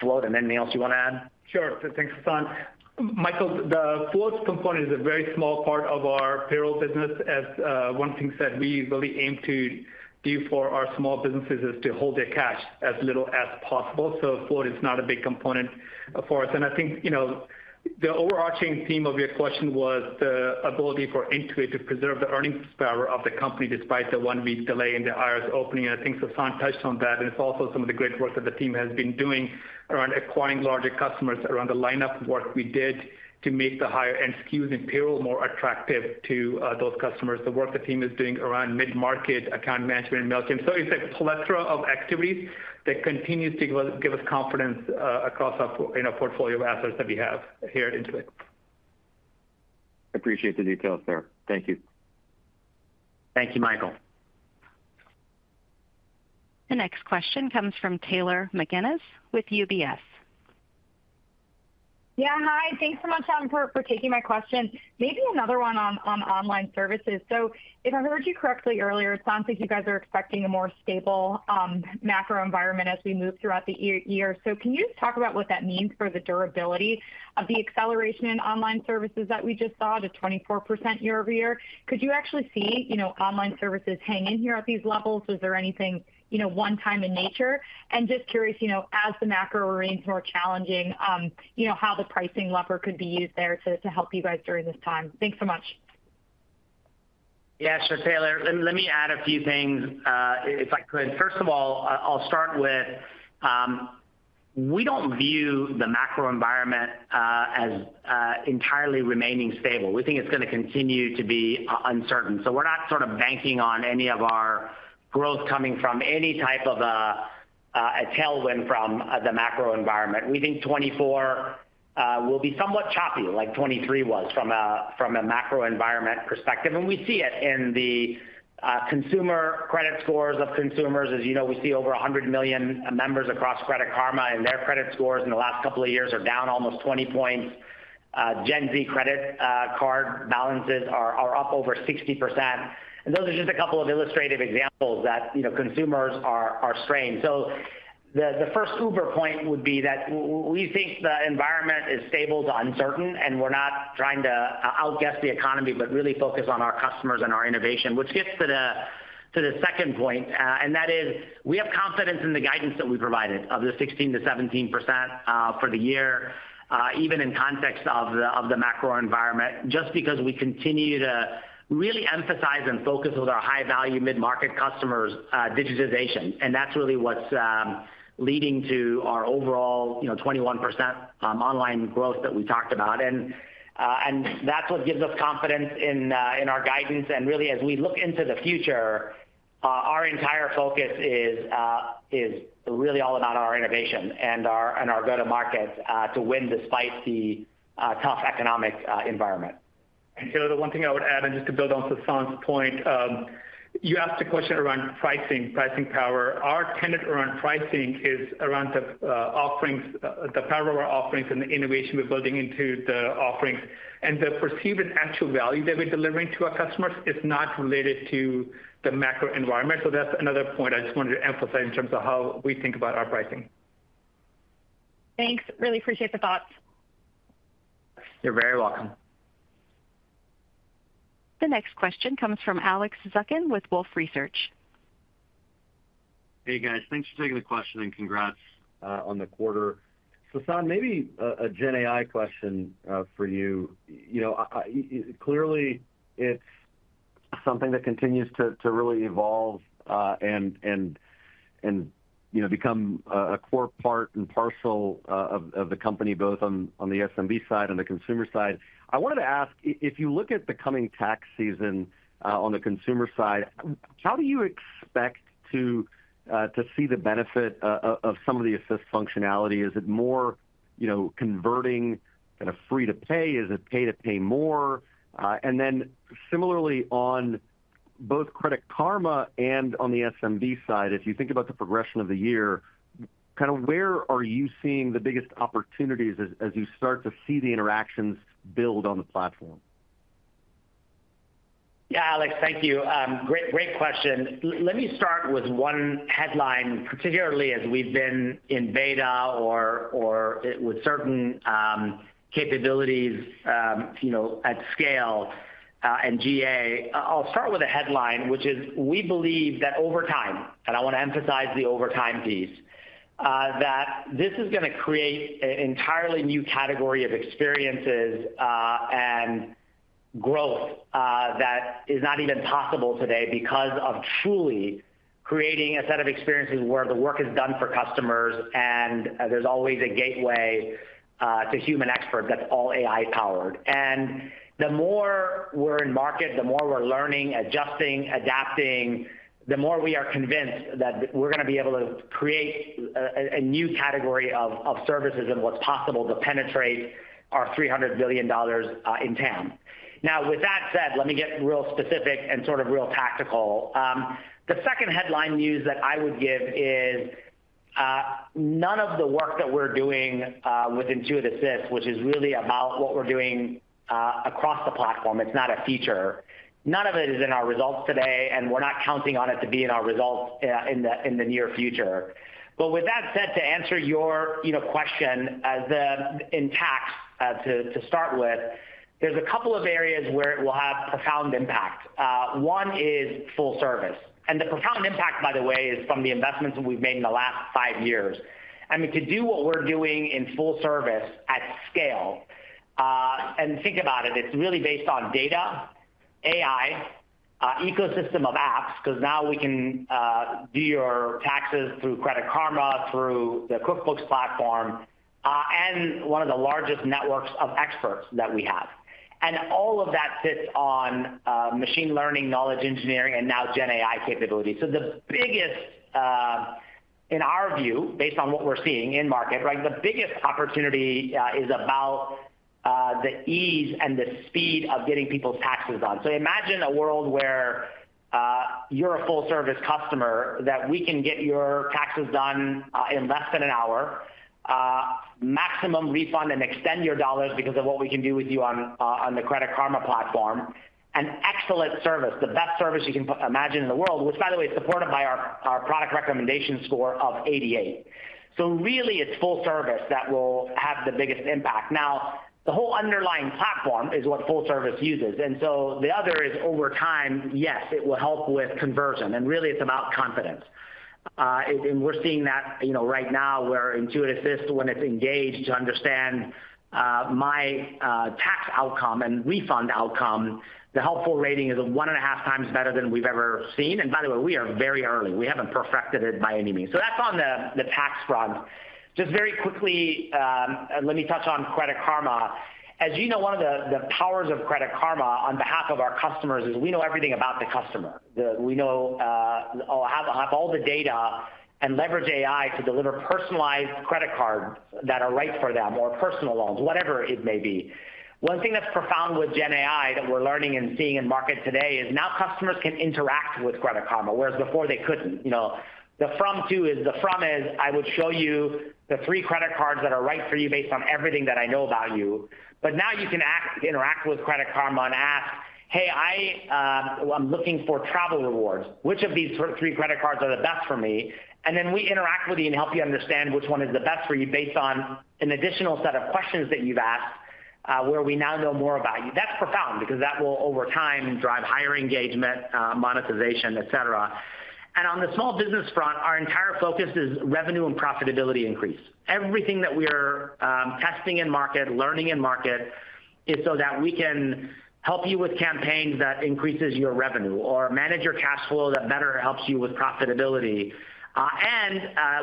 float, and anything else you want to add? Sure. Thanks, Sasan. Michael, the floats component is a very small part of our payroll business, as one thing that we really aim to do for our small businesses is to hold their cash as little as possible. So float is not a big component for us. And I think, you know, the overarching theme of your question was the ability for Intuit to preserve the earnings power of the company despite the one-week delay in the IRS opening, and I think Sasan touched on that. And it's also some of the great work that the team has been doing around acquiring larger customers, around the lineup work we did to make the higher-end SKUs and payroll more attractive to those customers, the work the team is doing around mid-market account management and Mailchimp. So it's a plethora of activities that continues to give us confidence across our, in our portfolio of assets that we have here at Intuit. Appreciate the details there. Thank you. Thank you, Michael. The next question comes from Taylor McGinnis with UBS. Yeah, hi, thanks so much, Sasan, for taking my question. Maybe another one on online services. So if I heard you correctly earlier, it sounds like you guys are expecting a more stable macro environment as we move throughout the year. So can you just talk about what that means for the durability of the acceleration in online services that we just saw, the 24% year-over-year? Could you actually see, you know, online services hang in here at these levels? Was there anything, you know, one time in nature? And just curious, you know, as the macro remains more challenging, you know, how the pricing lever could be used there to help you guys during this time. Thanks so much. Yeah, sure, Taylor. Let me add a few things, if I could. First of all, I'll start with, we don't view the macro environment as entirely remaining stable. We think it's gonna continue to be uncertain, so we're not sort of banking on any of our growth coming from any type of a tailwind from the macro environment. We think 2024 will be somewhat choppy, like 2023 was, from a macro environment perspective, and we see it in the consumer credit scores of consumers. As you know, we see over 100 million members across Credit Karma, and their credit scores in the last couple of years are down almost 20 points. Gen Z credit card balances are up over 60%, and those are just a couple of illustrative examples that, you know, consumers are strained. So the first uber point would be that we think the environment is stable to uncertain, and we're not trying to outguess the economy, but really focus on our customers and our innovation. Which gets to the second point, and that is, we have confidence in the guidance that we provided of the 16%-17%, for the year, even in context of the macro environment, just because we continue to really emphasize and focus with our high-value mid-market customers, digitization. And that's really what's leading to our overall, you know, 21% online growth that we talked about. And that's what gives us confidence in our guidance. And really, as we look into the future, our entire focus is really all about our innovation and our go-to-market to win despite the tough economic environment. And, Taylor, the one thing I would add, and just to build on Sasan's point, you asked a question around pricing, pricing power. Our tenet around pricing is around the offerings, the power of our offerings and the innovation we're building into the offerings. And the perceived and actual value that we're delivering to our customers is not related to the macro environment. So that's another point I just wanted to emphasize in terms of how we think about our pricing. Thanks. Really appreciate the thoughts. You're very welcome. The next question comes from Alex Zukin with Wolfe Research. Hey, guys. Thanks for taking the question, and congrats on the quarter. Sasan, maybe a GenAI question for you. You know, clearly, it's something that continues to really evolve, and you know, become a core part and parcel of the company, both on the SMB side and the consumer side. I wanted to ask, if you look at the coming tax season, on the consumer side, how do you expect to see the benefit of some of the Assist functionality? Is it more, you know, converting kind of free to pay? Is it pay to pay more? And then similarly, on both Credit Karma and on the SMB side, if you think about the progression of the year, kind of where are you seeing the biggest opportunities as you start to see the interactions build on the platform? Yeah, Alex, thank you. Great, great question. Let me start with one headline, particularly as we've been in beta or with certain capabilities, you know, at scale, and GA. I'll start with a headline, which is, we believe that over time, and I want to emphasize the over time piece, that this is going to create an entirely new category of experiences and growth that is not even possible today because of truly creating a set of experiences where the work is done for customers, and there's always a gateway to human expert that's all AI-powered. The more we're in market, the more we're learning, adjusting, adapting, the more we are convinced that we're going to be able to create a new category of services and what's possible to penetrate our $300 billion in TAM. Now, with that said, let me get real specific and sort of real tactical. The second headline news that I would give is none of the work that we're doing with Intuit Assist, which is really about what we're doing across the platform, it's not a feature. None of it is in our results today, and we're not counting on it to be in our results in the near future. But with that said, to answer your, you know, question, as the in tax, to start with, there's a couple of areas where it will have profound impact. One is full service, and the profound impact, by the way, is from the investments that we've made in the last five years. I mean, to do what we're doing in full service at scale, and think about it, it's really based on data, AI, ecosystem of apps, because now we can do your taxes through Credit Karma, through the QuickBooks platform, and one of the largest networks of experts that we have. And all of that sits on machine learning, knowledge engineering, and now GenAI capability. So the biggest, in our view, based on what we're seeing in market, right, the biggest opportunity is about the ease and the speed of getting people's taxes done. So imagine a world where you're a full-service customer, that we can get your taxes done in less than an hour, maximum refund, and extend your dollars because of what we can do with you on the Credit Karma platform. An excellent service, the best service you can imagine in the world, which, by the way, is supported by our product recommendation score of 88. So really, it's full service that will have the biggest impact. Now, the whole underlying platform is what full service uses, and so the other is over time, yes, it will help with conversion, and really it's about confidence. And we're seeing that, you know, right now, where Intuit Assist, when it's engaged to understand my tax outcome and refund outcome, the helpful rating is 1.5x better than we've ever seen. And by the way, we are very early. We haven't perfected it by any means. So that's on the tax front. Just very quickly, let me touch on Credit Karma. As you know, one of the powers of Credit Karma on behalf of our customers is we know everything about the customer. We know or have all the data and leverage AI to deliver personalized credit cards that are right for them, or personal loans, whatever it may be. One thing that's profound with GenAI that we're learning and seeing in market today, is now customers can interact with Credit Karma, whereas before they couldn't. The from is, I would show you the three credit cards that are right for you based on everything that I know about you. But now you can interact with Credit Karma and ask: "Hey, I, I'm looking for travel rewards. Which of these three credit cards are the best for me?" And then we interact with you and help you understand which one is the best for you, based on an additional set of questions that you've asked, where we now know more about you. That's profound, because that will, over time, drive higher engagement, monetization, et cetera. And on the small business front, our entire focus is revenue and profitability increase. Everything that we are testing in market, learning in market, is so that we can help you with campaigns that increases your revenue or manage your cash flow that better helps you with profitability.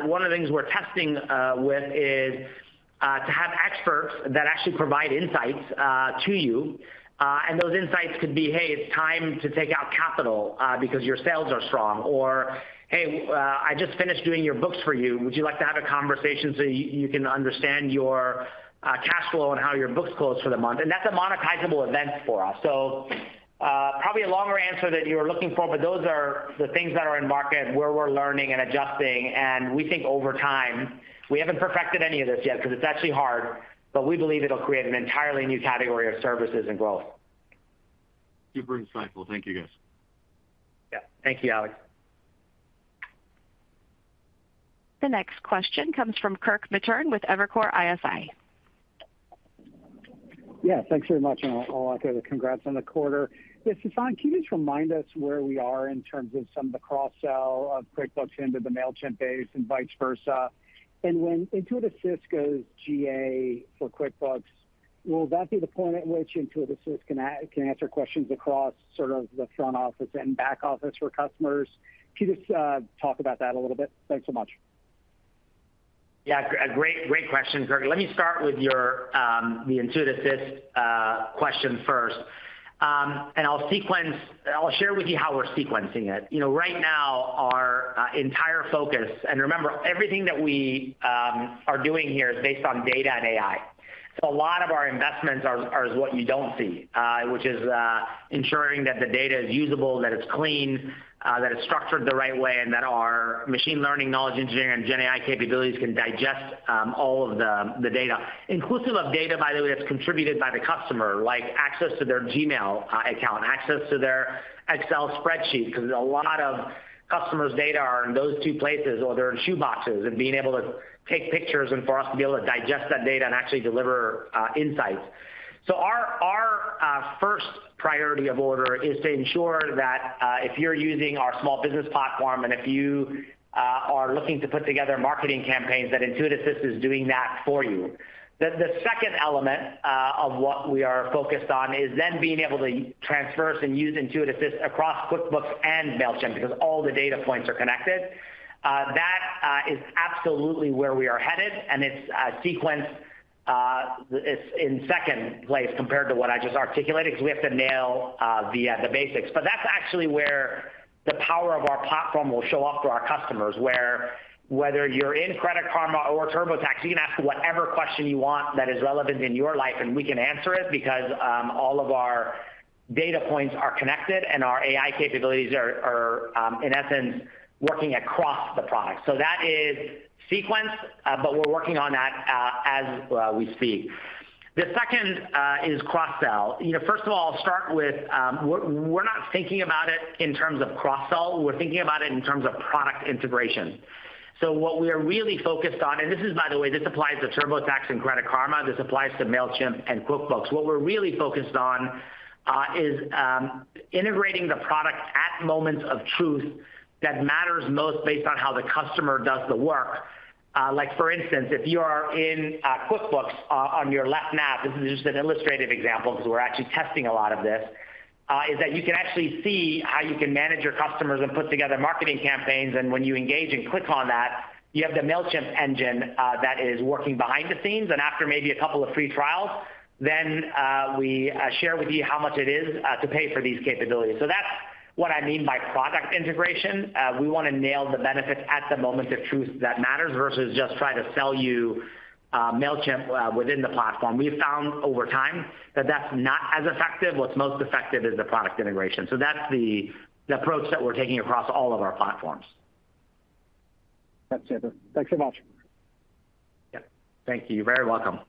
One of the things we're testing with is to have experts that actually provide insights to you. Those insights could be, "Hey, it's time to take out capital because your sales are strong," or, "Hey, I just finished doing your books for you. Would you like to have a conversation so you can understand your cash flow and how your books close for the month, and that's a monetizable event for us. Probably a longer answer than you were looking for, but those are the things that are in market, where we're learning and adjusting, and we think over time. We haven't perfected any of this yet, 'cause it's actually hard, but we believe it'll create an entirely new category of services and growth. Super insightful. Thank you, guys. Yeah. Thank you, Alex. The next question comes from Kirk Materne with Evercore ISI. Yeah, thanks very much, and I'll echo the congrats on the quarter. Yeah, Sasan, can you just remind us where we are in terms of some of the cross-sell of QuickBooks into the Mailchimp base and vice versa? And when Intuit Assist goes GA for QuickBooks, will that be the point at which Intuit Assist can answer questions across sort of the front office and back office for customers? Can you just talk about that a little bit? Thanks so much. Yeah, great, great question, Kirk. Let me start with your, the Intuit Assist question first. I'll share with you how we're sequencing it. You know, right now, our entire focus, and remember, everything that we are doing here is based on data and AI. So a lot of our investments are what you don't see, which is ensuring that the data is usable, that it's clean, that it's structured the right way, and that our machine learning, knowledge engineering, and gen AI capabilities can digest all of the data. Inclusive of data, by the way, that's contributed by the customer, like access to their Gmail account, access to their Excel spreadsheet, 'cause a lot of customers' data are in those two places, or they're in shoe boxes, and being able to take pictures, and for us to be able to digest that data and actually deliver insights. So our first priority of order is to ensure that if you're using our small business platform, and if you are looking to put together marketing campaigns, that Intuit Assist is doing that for you. The second element of what we are focused on is then being able to traverse and use Intuit Assist across QuickBooks and Mailchimp, because all the data points are connected. That is absolutely where we are headed, and it's sequenced, it's in second place compared to what I just articulated, because we have to nail the basics. But that's actually where the power of our platform will show up to our customers, where whether you're in Credit Karma or TurboTax, you can ask whatever question you want that is relevant in your life, and we can answer it, because all of our data points are connected, and our AI capabilities are, in essence, working across the product. So that is sequenced, but we're working on that, as we speak. The second is cross-sell. You know, first of all, I'll start with, we're not thinking about it in terms of cross-sell. We're thinking about it in terms of product integration. So what we are really focused on, and this is by the way, this applies to TurboTax and Credit Karma. This applies to Mailchimp and QuickBooks. What we're really focused on is integrating the product at moments of truth that matters most based on how the customer does the work. Like for instance, if you are in QuickBooks on your laptop, this is just an illustrative example, because we're actually testing a lot of this, is that you can actually see how you can manage your customers and put together marketing campaigns, and when you engage and click on that, you have the Mailchimp engine that is working behind the scenes, and after maybe a couple of free trials, then we share with you how much it is to pay for these capabilities. So that's what I mean by product integration. We wanna nail the benefits at the moment of truth that matters, versus just try to sell you Mailchimp within the platform. We've found over time that that's not as effective. What's most effective is the product integration, so that's the approach that we're taking across all of our platforms. That's it. Thanks so much. Yeah. Thank you. You're very welcome.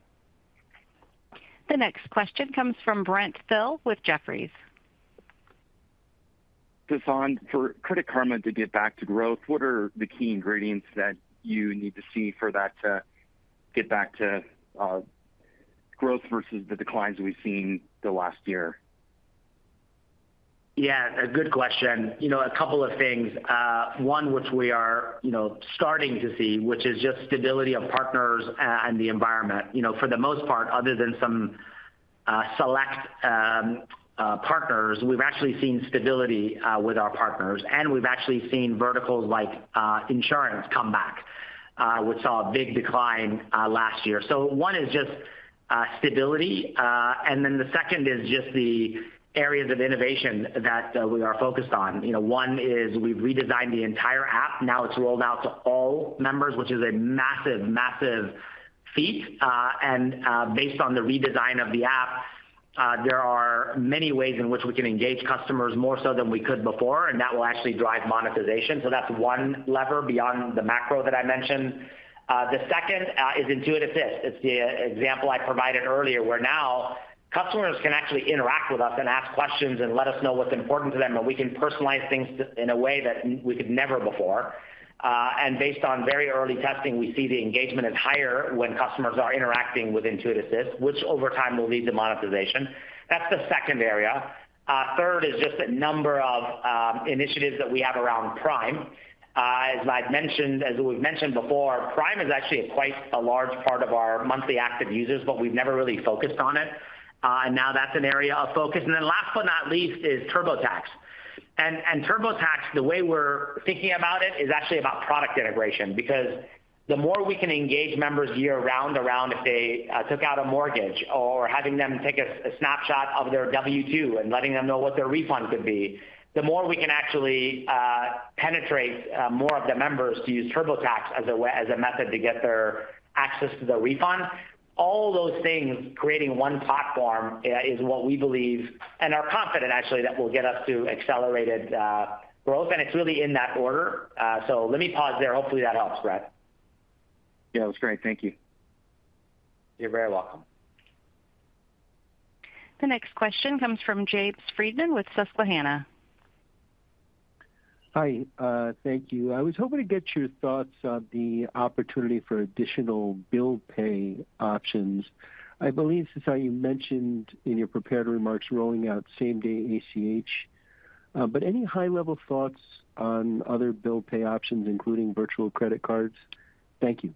The next question comes from Brent Thill with Jefferies. Sasan, for Credit Karma to get back to growth, what are the key ingredients that you need to see for that to get back to growth versus the declines we've seen the last year? Yeah, a good question. You know, a couple of things. One, which we are, you know, starting to see, which is just stability of partners and the environment. You know, for the most part, other than some select partners, we've actually seen stability with our partners, and we've actually seen verticals like insurance come back, which saw a big decline last year. So one is just stability, and then the second is just the areas of innovation that we are focused on. You know, one is we've redesigned the entire app. Now it's rolled out to all members, which is a massive, massive feat, and based on the redesign of the app, there are many ways in which we can engage customers more so than we could before, and that will actually drive monetization. So that's one lever beyond the macro that I mentioned. The second is Intuit Assist. It's the example I provided earlier, where now customers can actually interact with us and ask questions and let us know what's important to them, and we can personalize things in a way that we could never before. And based on very early testing, we see the engagement is higher when customers are interacting with Intuit Assist, which over time, will lead to monetization. That's the second area. Third is just a number of initiatives that we have around Prime. As we've mentioned before, Prime is actually quite a large part of our monthly active users, but we've never really focused on it, and now that's an area of focus. And then last but not least is TurboTax. And TurboTax, the way we're thinking about it is actually about product integration. Because the more we can engage members year-round around if they took out a mortgage or having them take a snapshot of their W-2 and letting them know what their refund could be, the more we can actually penetrate more of the members to use TurboTax as a way—as a method to get their access to the refund. All those things, creating one platform, is what we believe and are confident actually that will get us to accelerated growth. And it's really in that order. So let me pause there. Hopefully, that helps, Brad. Yeah, it was great. Thank you. You're very welcome. The next question comes from James Friedman with Susquehanna. Hi, thank you. I was hoping to get your thoughts on the opportunity for additional bill pay options. I believe, Sasan, you mentioned in your prepared remarks, rolling out same-day ACH. But any high-level thoughts on other bill pay options, including virtual credit cards? Thank you.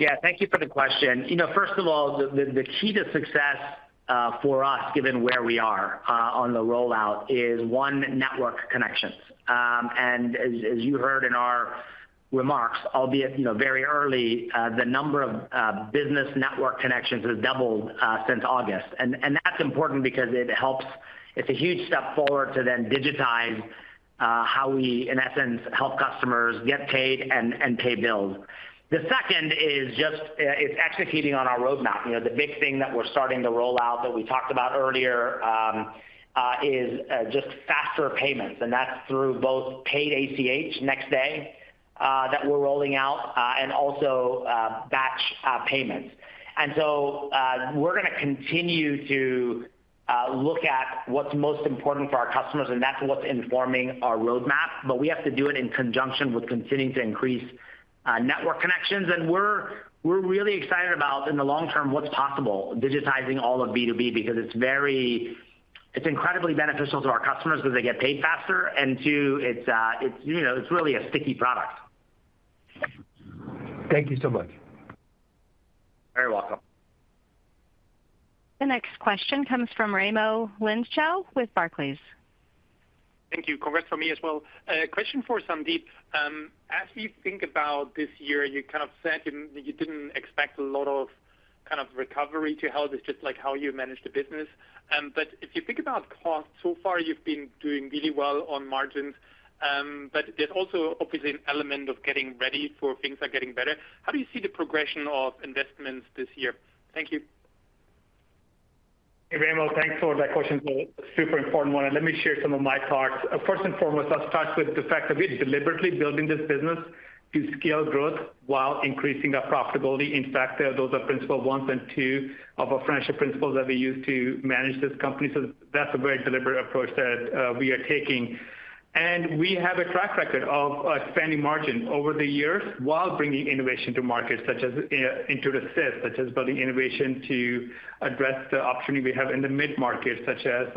Yeah, thank you for the question. You know, first of all, the key to success for us, given where we are on the rollout, is one, network connections. And as you heard in our remarks, albeit, you know, very early, the number of business network connections has doubled since August. And that's important because it helps. It's a huge step forward to then digitize how we, in essence, help customers get paid and pay bills. The second is just it's executing on our roadmap. You know, the big thing that we're starting to roll out that we talked about earlier is just faster payments, and that's through both paid ACH next day that we're rolling out and also batch payments. So, we're gonna continue to look at what's most important for our customers, and that's what's informing our roadmap. But we have to do it in conjunction with continuing to increase network connections. And we're really excited about, in the long term, what's possible, digitizing all of B2B, because it's very, it's incredibly beneficial to our customers because they get paid faster, and two it's really a sticky product. Thank you so much. Very welcome. The next question comes from Raimo Lenschow with Barclays. Thank you. Congrats from me as well. Question for Sandeep. As we think about this year, you kind of said you, you didn't expect a lot of kind of recovery to health. It's just like how you manage the business. But if you think about costs, so far you've been doing really well on margins. But there's also obviously an element of getting ready for things are getting better. How do you see the progression of investments this year? Thank you. Hey, Raimo, thanks for that question. It's a super important one, and let me share some of my thoughts. First and foremost, let's start with the fact that we're deliberately building this business to scale growth while increasing our profitability. In fact, those are principle one and two of our friendship principles that we use to manage this company. So that's a very deliberate approach that we are taking. And we have a track record of expanding margins over the years while bringing innovation to market, such as Intuit Assist, such as building innovation to address the opportunity we have in the mid-market, such as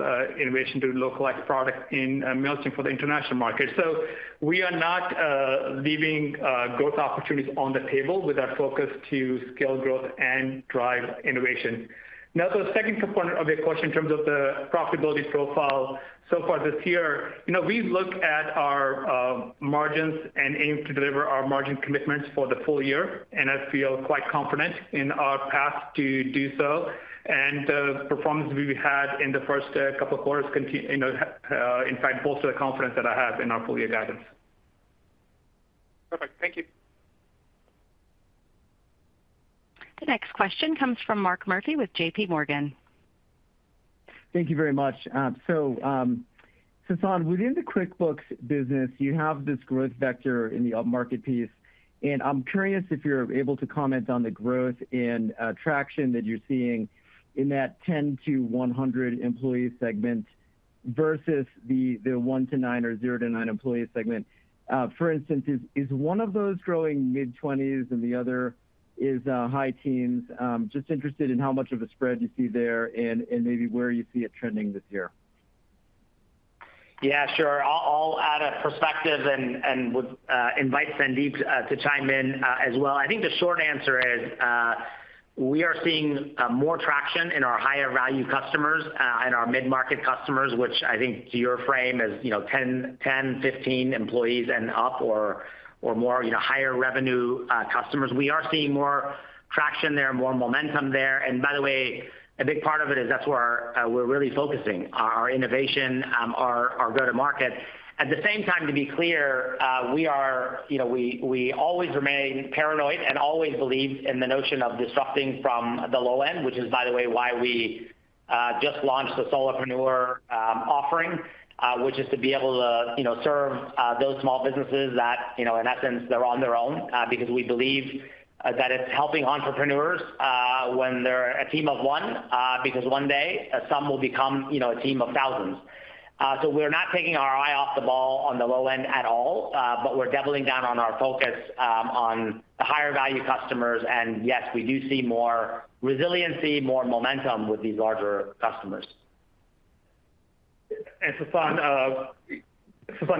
innovation to localize product in Mailchimp for the international market. So we are not leaving growth opportunities on the table with our focus to scale growth and drive innovation. Now, the second component of your question, in terms of the profitability profile so far this year, you know, we've looked at our margins and aim to deliver our margin commitments for the full year, and I feel quite confident in our path to do so. And the performance we've had in the first couple of quarters you know, in fact, bolster the confidence that I have in our full year guidance. Perfect. Thank you. The next question comes from Mark Murphy with J.P. Morgan. Thank you very much. So, Sasan, within the QuickBooks business, you have this growth vector in the upmarket piece, and I'm curious if you're able to comment on the growth and traction that you're seeing in that 10-100 employee segment versus the 1-9 or 0-9 employee segment. For instance, is one of those growing mid-twenties and the other is high teens? Just interested in how much of a spread you see there and maybe where you see it trending this year. Yeah, sure. I'll add a perspective and would invite Sandeep to to chime in as well. I think the short answer is, we are seeing more traction in our higher value customers and our mid-market customers, which I think to your frame is, you know, 10-15 employees and up or more, you know, higher revenue customers. We are seeing more traction there, more momentum there. And by the way, a big part of it is that's where we're really focusing our innovation, our go-to-market. At the same time, to be clear, we are... You know, we always remain paranoid and always believe in the notion of disrupting from the low end, which is, by the way, why we just launched the solopreneur offering, which is to be able to, you know, serve those small businesses that, you know, in essence, they're on their own. Because we believe that it's helping entrepreneurs when they're a team of one, because one day, some will become, you know, a team of thousands. So we're not taking our eye off the ball on the low end at all, but we're doubling down on our focus on the higher value customers. And yes, we do see more resiliency, more momentum with these larger customers. Sasan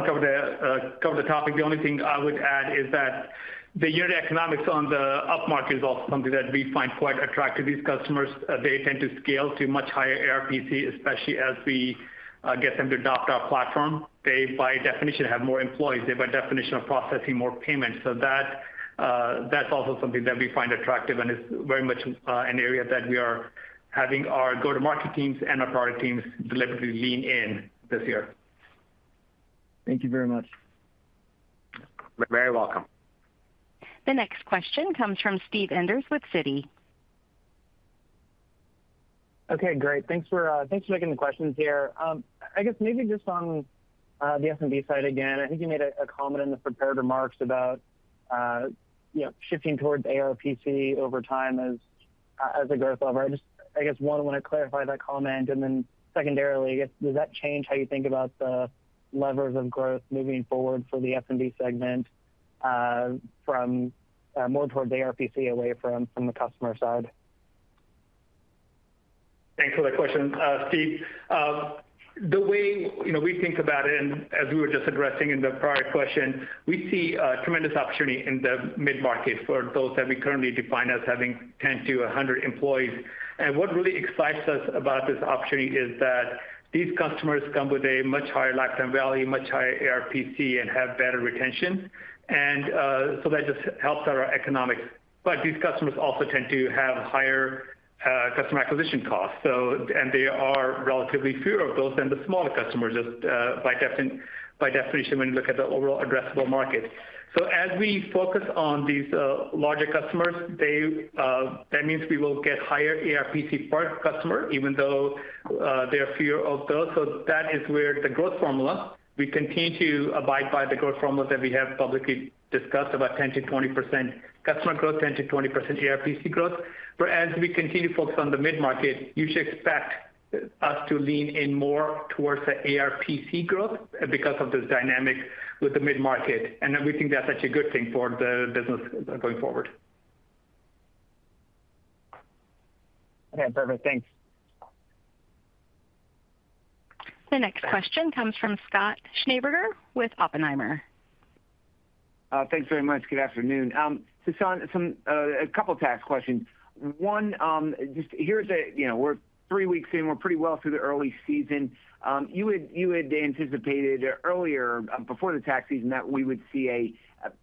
covered the topic. The only thing I would add is that the unit economics on the upmarket is also something that we find quite attractive. These customers, they tend to scale to much higher ARPC, especially as we get them to adopt our platform. They, by definition, have more employees. They, by definition, are processing more payments. So that, that's also something that we find attractive, and it's very much, an area that we are having our go-to-market teams and our product teams deliberately lean in this year. Thank you very much. Very welcome. The next question comes from Steve Enders with Citi. Okay, great. Thanks for, thanks for taking the questions here. On, the SMB side again, I think you made a, a comment in the prepared remarks about, you know, shifting towards ARPC over time as, as a growth lever. One, wanna clarify that comment, and then secondarily, I guess, does that change how you think about the levers of growth moving forward for the SMB segment, from, more towards the ARPC away from, from the customer side? Thanks for the question, Steve. The way, you know, we think about it, and as we were just addressing in the prior question, we see a tremendous opportunity in the mid-market for those that we currently define as having 10 to 100 employees. And what really excites us about this opportunity is that these customers come with a much higher lifetime value, much higher ARPC, and have better retention. And so that just helps our economics. But these customers also tend to have higher customer acquisition costs. And there are relatively fewer of those than the smaller customers, just by definition, when you look at the overall addressable market. So as we focus on these larger customers, they, that means we will get higher ARPC per customer, even though there are fewer of those. So that is where the growth formula. We continue to abide by the growth formula that we have publicly discussed, about 10%-20% customer growth, 10%-20% ARPC growth. As we continue to focus on the mid-market, you should expect us to lean in more towards the ARPC growth because of this dynamic with the mid-market. Then we think that's such a good thing for the business going forward. Okay, perfect. Thanks. The next question comes from Scott Schneeberger with Oppenheimer. Thanks very much. Good afternoon. Sasan, a couple tax questions. One, just, you know, we're three weeks in. We're pretty well through the early season. You had, you had anticipated earlier, before the tax season, that we would see a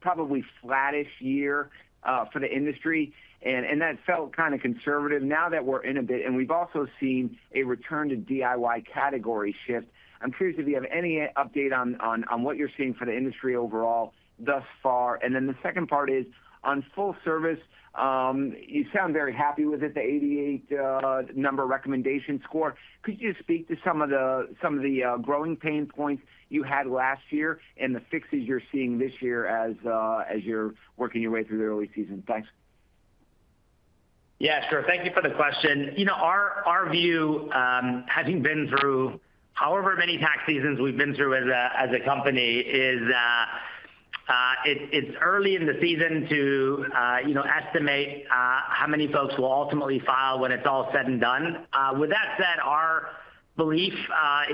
probably flattish year for the industry, and, and that felt kind of conservative. Now that we're in a bit, and we've also seen a return to DIY category shift, I'm curious if you have any update on, on, on what you're seeing for the industry overall thus far. And then the second part is on full service, you sound very happy with it, the 88 number recommendation score. Could you speak to some of the, some of the, growing pain points you had last year and the fixes you're seeing this year as, as you're working your way through the early season? Thanks. Yeah, sure. Thank you for the question. You know, our view, having been through however many tax seasons we've been through as a company, is that it's early in the season to you know estimate how many folks will ultimately file when it's all said and done. With that said, our belief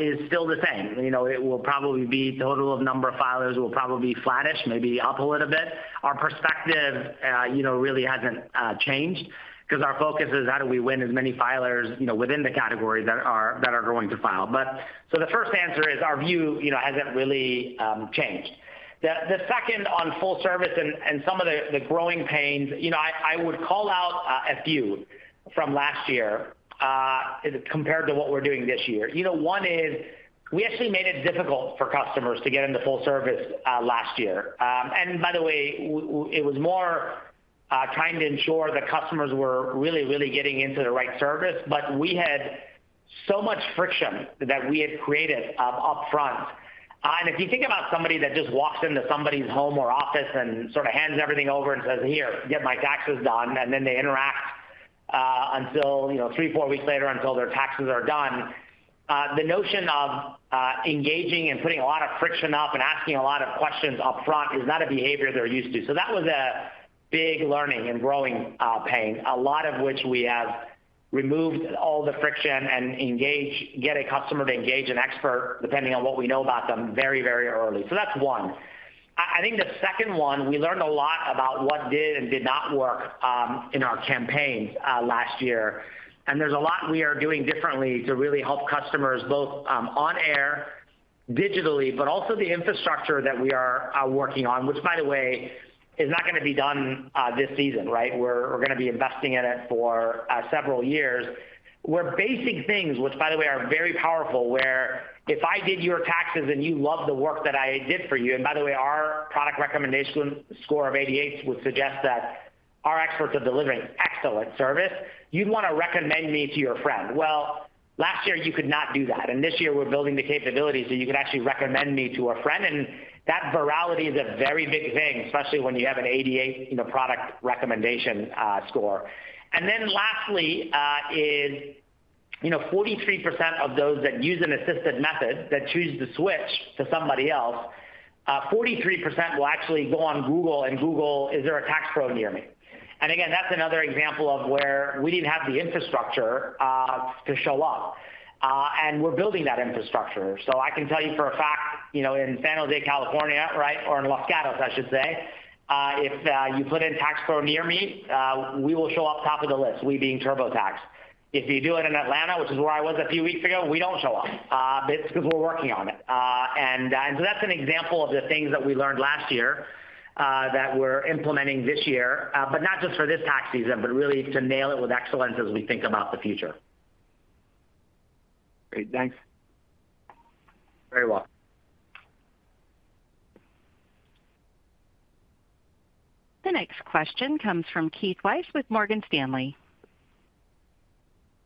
is still the same. You know, it will probably be the total of number of filers will probably be flattish, maybe up a little bit. Our perspective you know really hasn't changed because our focus is how do we win as many filers you know within the category that are going to file. But so the first answer is our view you know hasn't really changed. The second on full service and some of the growing pains, you know, I would call out a few from last year compared to what we're doing this year. You know, one is we actually made it difficult for customers to get into full service last year. And by the way, it was more trying to ensure that customers were really, really getting into the right service. But we had so much friction that we had created upfront. If you think about somebody that just walks into somebody's home or office and sort of hands everything over and says, "Here, get my taxes done," and then they interact until, you know, 3-4 weeks later, until their taxes are done, the notion of engaging and putting a lot of friction up and asking a lot of questions upfront is not a behavior they're used to. So that was a big learning and growing pain, a lot of which we have removed all the friction and engage - get a customer to engage an expert, depending on what we know about them, very, very early. So that's one. I, I think the second one, we learned a lot about what did and did not work in our campaigns last year. There's a lot we are doing differently to really help customers, both on air, digitally, but also the infrastructure that we are working on, which, by the way, is not gonna be done this season, right? We're gonna be investing in it for several years, where basic things, which by the way, are very powerful, where if I did your taxes and you love the work that I did for you. And by the way, our product recommendation score of 88 would suggest that our experts are delivering excellent service, you'd want to recommend me to your friend. Well, last year you could not do that, and this year we're building the capabilities so you could actually recommend me to a friend, and that virality is a very big thing, especially when you have an 88, you know, product recommendation score. And then lastly, you know, 43% of those that use an assisted method, that choose to switch to somebody else, 43% will actually go on Google and Google, "Is there a tax pro near me?" And again, that's another example of where we didn't have the infrastructure to show up. And we're building that infrastructure. So I can tell you for a fact, you know, in San Jose, California, right, or in Los Gatos, I should say, if you put in tax pro near me, we will show up top of the list, we being TurboTax. If you do it in Atlanta, which is where I was a few weeks ago, we don't show up. But it's because we're working on it. And so that's an example of the things that we learned last year that we're implementing this year, but not just for this tax season, but really to nail it with excellence as we think about the future. Great. Thanks. Very welcome. The next question comes from Keith Weiss with Morgan Stanley.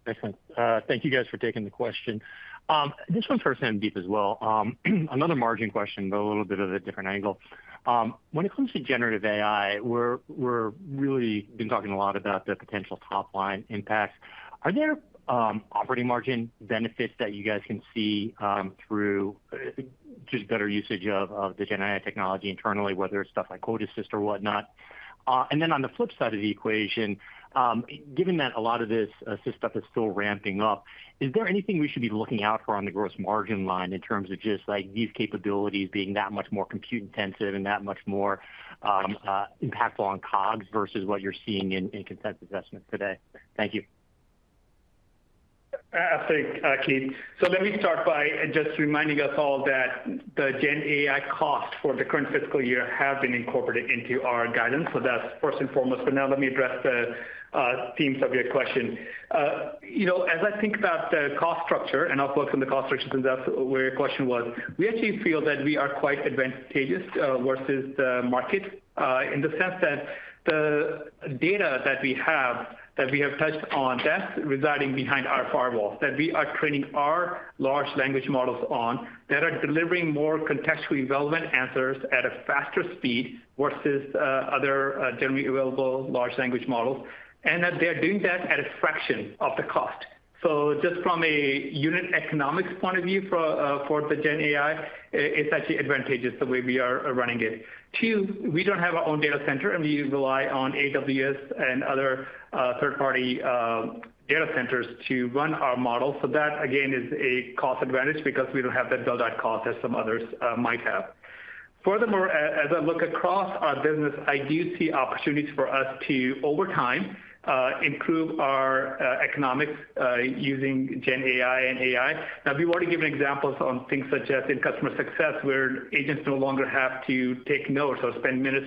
Excellent. Thank you guys for taking the question. This one's for Sandeep as well. Another margin question, but a little bit of a different angle. When it comes to generative AI, we're, we're really been talking a lot about the potential top-line impact. Are there operating margin benefits that you guys can see through just better usage of, of the gen AI technology internally, whether it's stuff like Code Assist or whatnot? And then on the flip side of the equation, given that a lot of this system is still ramping up, is there anything we should be looking out for on the gross margin line in terms of just, like, these capabilities being that much more compute intensive and that much more impactful on COGS versus what you're seeing in, in consensus estimates today? Thank you. Keith. So let me start by just reminding us all that the GenAI costs for the current fiscal year have been incorporated into our guidance. So that's first and foremost, but now let me address the themes of your question. You know, as I think about the cost structure, and I'll focus on the cost structure since that's where your question was, we actually feel that we are quite advantageous versus the market in the sense that the data that we have, that we have touched on, that's residing behind our firewall, that we are training our large language models on, that are delivering more contextually relevant answers at a faster speed versus other generally available large language models, and that they are doing that at a fraction of the cost. So just from a unit economics point of view for the GenAI, it's actually advantageous the way we are running it. Two, we don't have our own data center, and we rely on AWS and other third-party data centers to run our model. So that, again, is a cost advantage because we don't have that build-out cost as some others might have. Furthermore, as I look across our business, I do see opportunities for us to, over time, improve our economics using GenAI and AI. Now, we've already given examples on things such as in customer success, where agents no longer have to take notes or spend minutes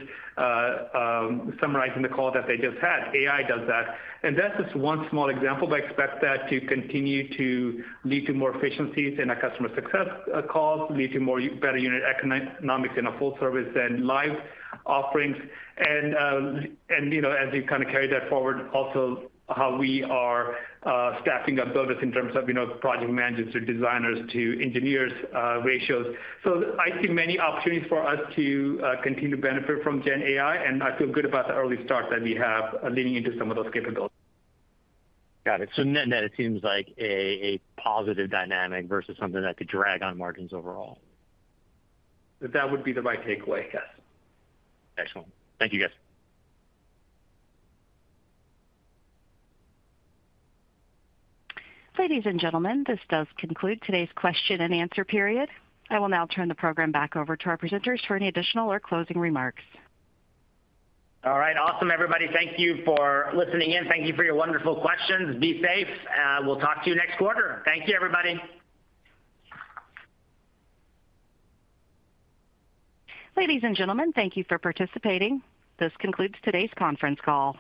summarizing the call that they just had. AI does that, and that's just one small example, but I expect that to continue to lead to more efficiencies in our customer success calls, lead to better unit economics in our full service and live offerings. And, you know, as we kind of carry that forward, also how we are staffing our business in terms of, you know, project managers to designers to engineers ratios. So I see many opportunities for us to continue to benefit from GenAI, and I feel good about the early start that we have leading into some of those capabilities. Got it. So net, net, it seems like a positive dynamic versus something that could drag on margins overall. That would be the right takeaway, yes. Excellent. Thank you, guys. Ladies and gentlemen, this does conclude today's question and answer period. I will now turn the program back over to our presenters for any additional or closing remarks. All right. Awesome, everybody. Thank you for listening in. Thank you for your wonderful questions. Be safe. We'll talk to you next quarter. Thank you, everybody. Ladies and gentlemen, thank you for participating. This concludes today's conference call.